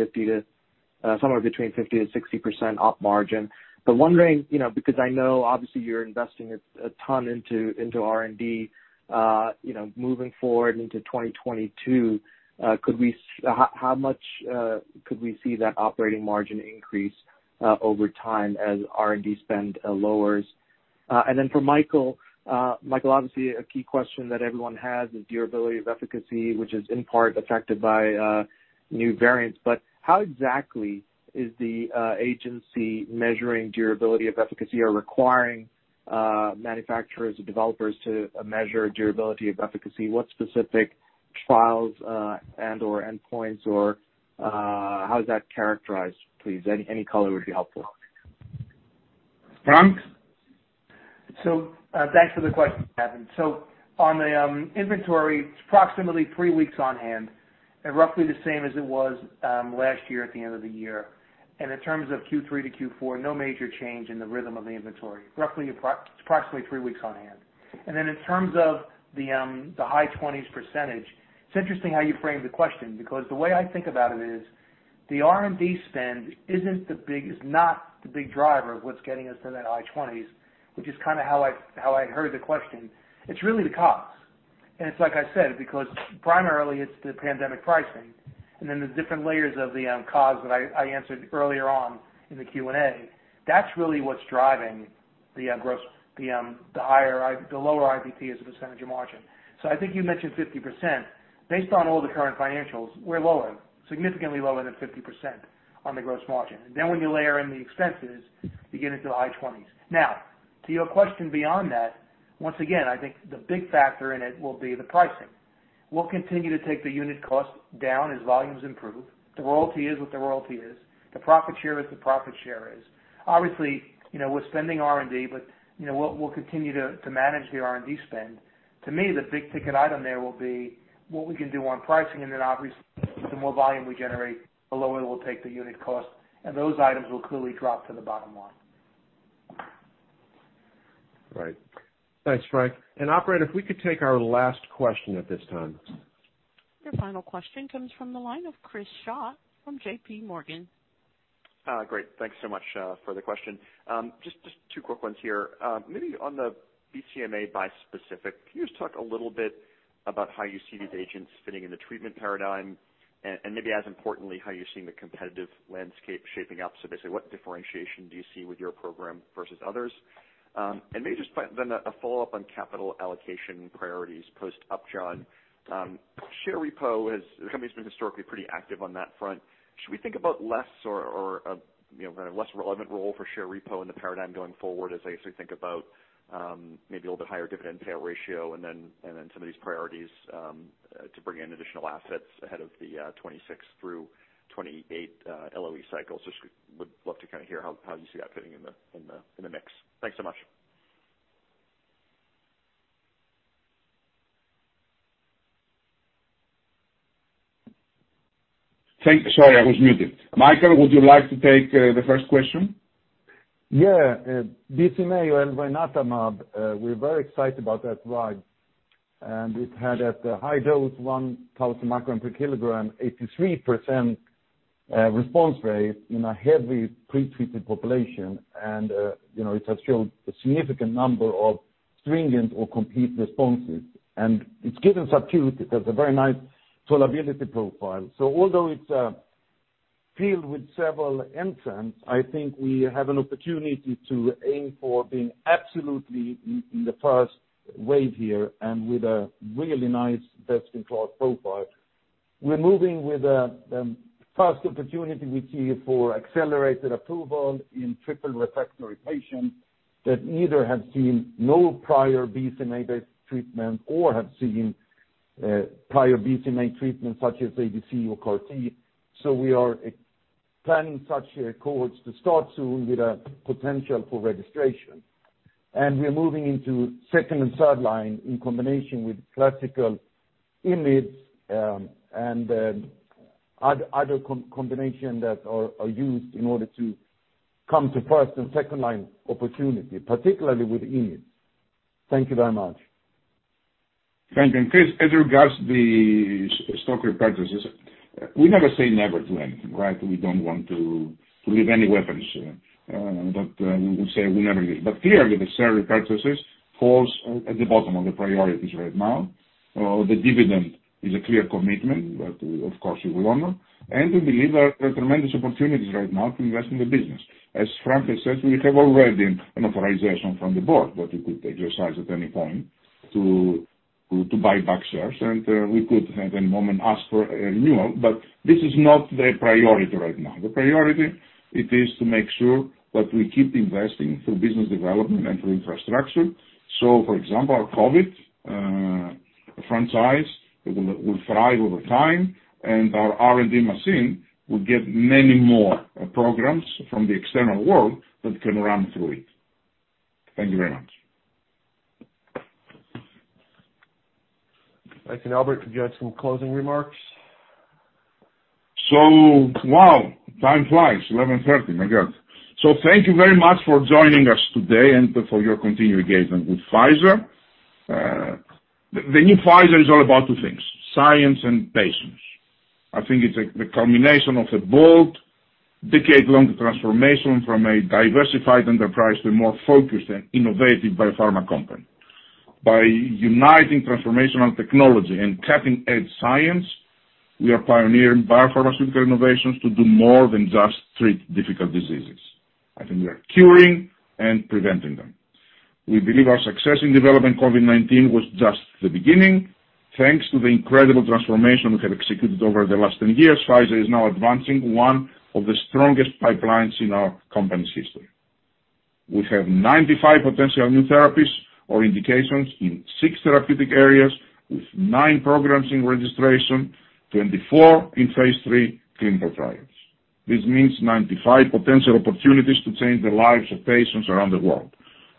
Speaker 19: between 50%-60% op margin. Wondering, because I know obviously you're investing a ton into R&D, moving forward into 2022, how much could we see that operating margin increase over time as R&D spend lowers? For Mikael, obviously a key question that everyone has is durability of efficacy, which is in part affected by new variants. How exactly is the agency measuring durability of efficacy or requiring manufacturers or developers to measure durability of efficacy? What specific trials and/or endpoints, or how is that characterized, please? Any color would be helpful.
Speaker 3: Frank?
Speaker 4: Thanks for the question, Navin. On the inventory, it's approximately three weeks on hand, and roughly the same as it was last year at the end of the year. In terms of Q3 to Q4, no major change in the rhythm of the inventory. It's approximately three weeks on hand. In terms of the high 20s%, it's interesting how you framed the question, because the way I think about it is the R&D spend is not the big driver of what's getting us to that high 20s%, which is how I heard the question. It's really the COGS. It's like I said, because primarily it's the pandemic pricing, and then the different layers of the COGS that I answered earlier on in the Q&A. That's really what's driving the lower IBT as a percentage of margin. I think you mentioned 50%. Based on all the current financials, we're lower, significantly lower than 50% on the gross margin. When you layer in the expenses, you get into the high 20s%. Now, to your question beyond that, once again, I think the big factor in it will be the pricing. We'll continue to take the unit cost down as volumes improve. The royalty is what the royalty is. The profit share is the profit share is. Obviously, we're spending R&D, but we'll continue to manage the R&D spend. To me, the big-ticket item there will be what we can do on pricing, and then obviously, the more volume we generate, the lower we'll take the unit cost, and those items will clearly drop to the bottom line.
Speaker 2: Right. Thanks, Frank. Operator, if we could take our last question at this time.
Speaker 1: Your final question comes from the line of Chris Schott from JPMorgan.
Speaker 20: Great. Thanks so much for the question. Just two quick ones here. Maybe on the BCMA bispecific, can you just talk a little bit about how you see these agents fitting in the treatment paradigm? Maybe as importantly, how you're seeing the competitive landscape shaping up. Basically, what differentiation do you see with your program versus others? Maybe just then a follow-up on capital allocation priorities post Upjohn. Share repo, the company's been historically pretty active on that front. Should we think about less or a less relevant role for share repo in the paradigm going forward as I actually think about maybe a little bit higher dividend payout ratio and then some of these priorities to bring in additional assets ahead of the 2026-2028 LOE cycles? Just would love to hear how you see that fitting in the mix. Thanks so much.
Speaker 3: Sorry, I was muted. Mikael, would you like to take the first question?
Speaker 7: Yeah. BCMA or elranatamab, we're very excited about that drug, and it had at the high dose, 1,000 micro per kilogram, 83% response rate in a heavily pretreated population. It has showed a significant number of stringent or complete responses. It's given subcu because a very nice tolerability profile. Although it's a field with several entrants, I think we have an opportunity to aim for being absolutely in the first wave here and with a really nice best-in-class profile. We're moving with the first opportunity we see for accelerated approval in triple refractory patients that either have seen no prior BCMA-based treatment or have seen prior BCMA treatment such as ADC or CAR-T. We are planning such cohorts to start soon with a potential for registration. We are moving into second and third line in combination with classical IMiDs, and other combination that are used in order to come to first and second-line opportunity, particularly with IMiDs. Thank you very much.
Speaker 3: Thank you. Chris, as regards the stock repurchases, we never say never to anything, right? We don't want to leave any weapons that we say we never use. Clearly, the share repurchases falls at the bottom of the priorities right now. The dividend is a clear commitment that, of course, we will honor, and we believe there are tremendous opportunities right now to invest in the business. As Frank has said, we have already an authorization from the board that we could exercise at any point to buy back shares, and we could at any moment ask for a renewal, this is not the priority right now. The priority is to make sure that we keep investing for business development and for infrastructure. For example, our COVID franchise will thrive over time, and our R&D machine will get many more programs from the external world that can run through it. Thank you very much.
Speaker 2: Thank you. Albert, could you add some closing remarks?
Speaker 3: Wow, time flies. 11:30, my God. Thank you very much for joining us today and for your continued engagement with Pfizer. The new Pfizer is all about two things, science and patients. I think it's the culmination of a bold, decade-long transformation from a diversified enterprise to a more focused and innovative biopharma company. By uniting transformational technology and cutting-edge science, we are pioneering biopharmaceutical innovations to do more than just treat difficult diseases. I think we are curing and preventing them. We believe our success in developing COVID-19 was just the beginning. Thanks to the incredible transformation we have executed over the last 10 years, Pfizer is now advancing one of the strongest pipelines in our company's history. We have 95 potential new therapies or indications in six therapeutic areas, with nine programs in registration, 24 in phase III clinical trials. This means 95 potential opportunities to change the lives of patients around the world.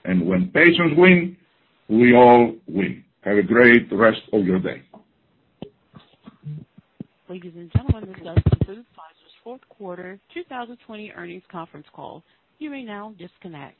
Speaker 3: When patients win, we all win. Have a great rest of your day.
Speaker 1: Ladies and gentlemen, this does conclude Pfizer's fourth quarter 2020 earnings conference call. You may now disconnect.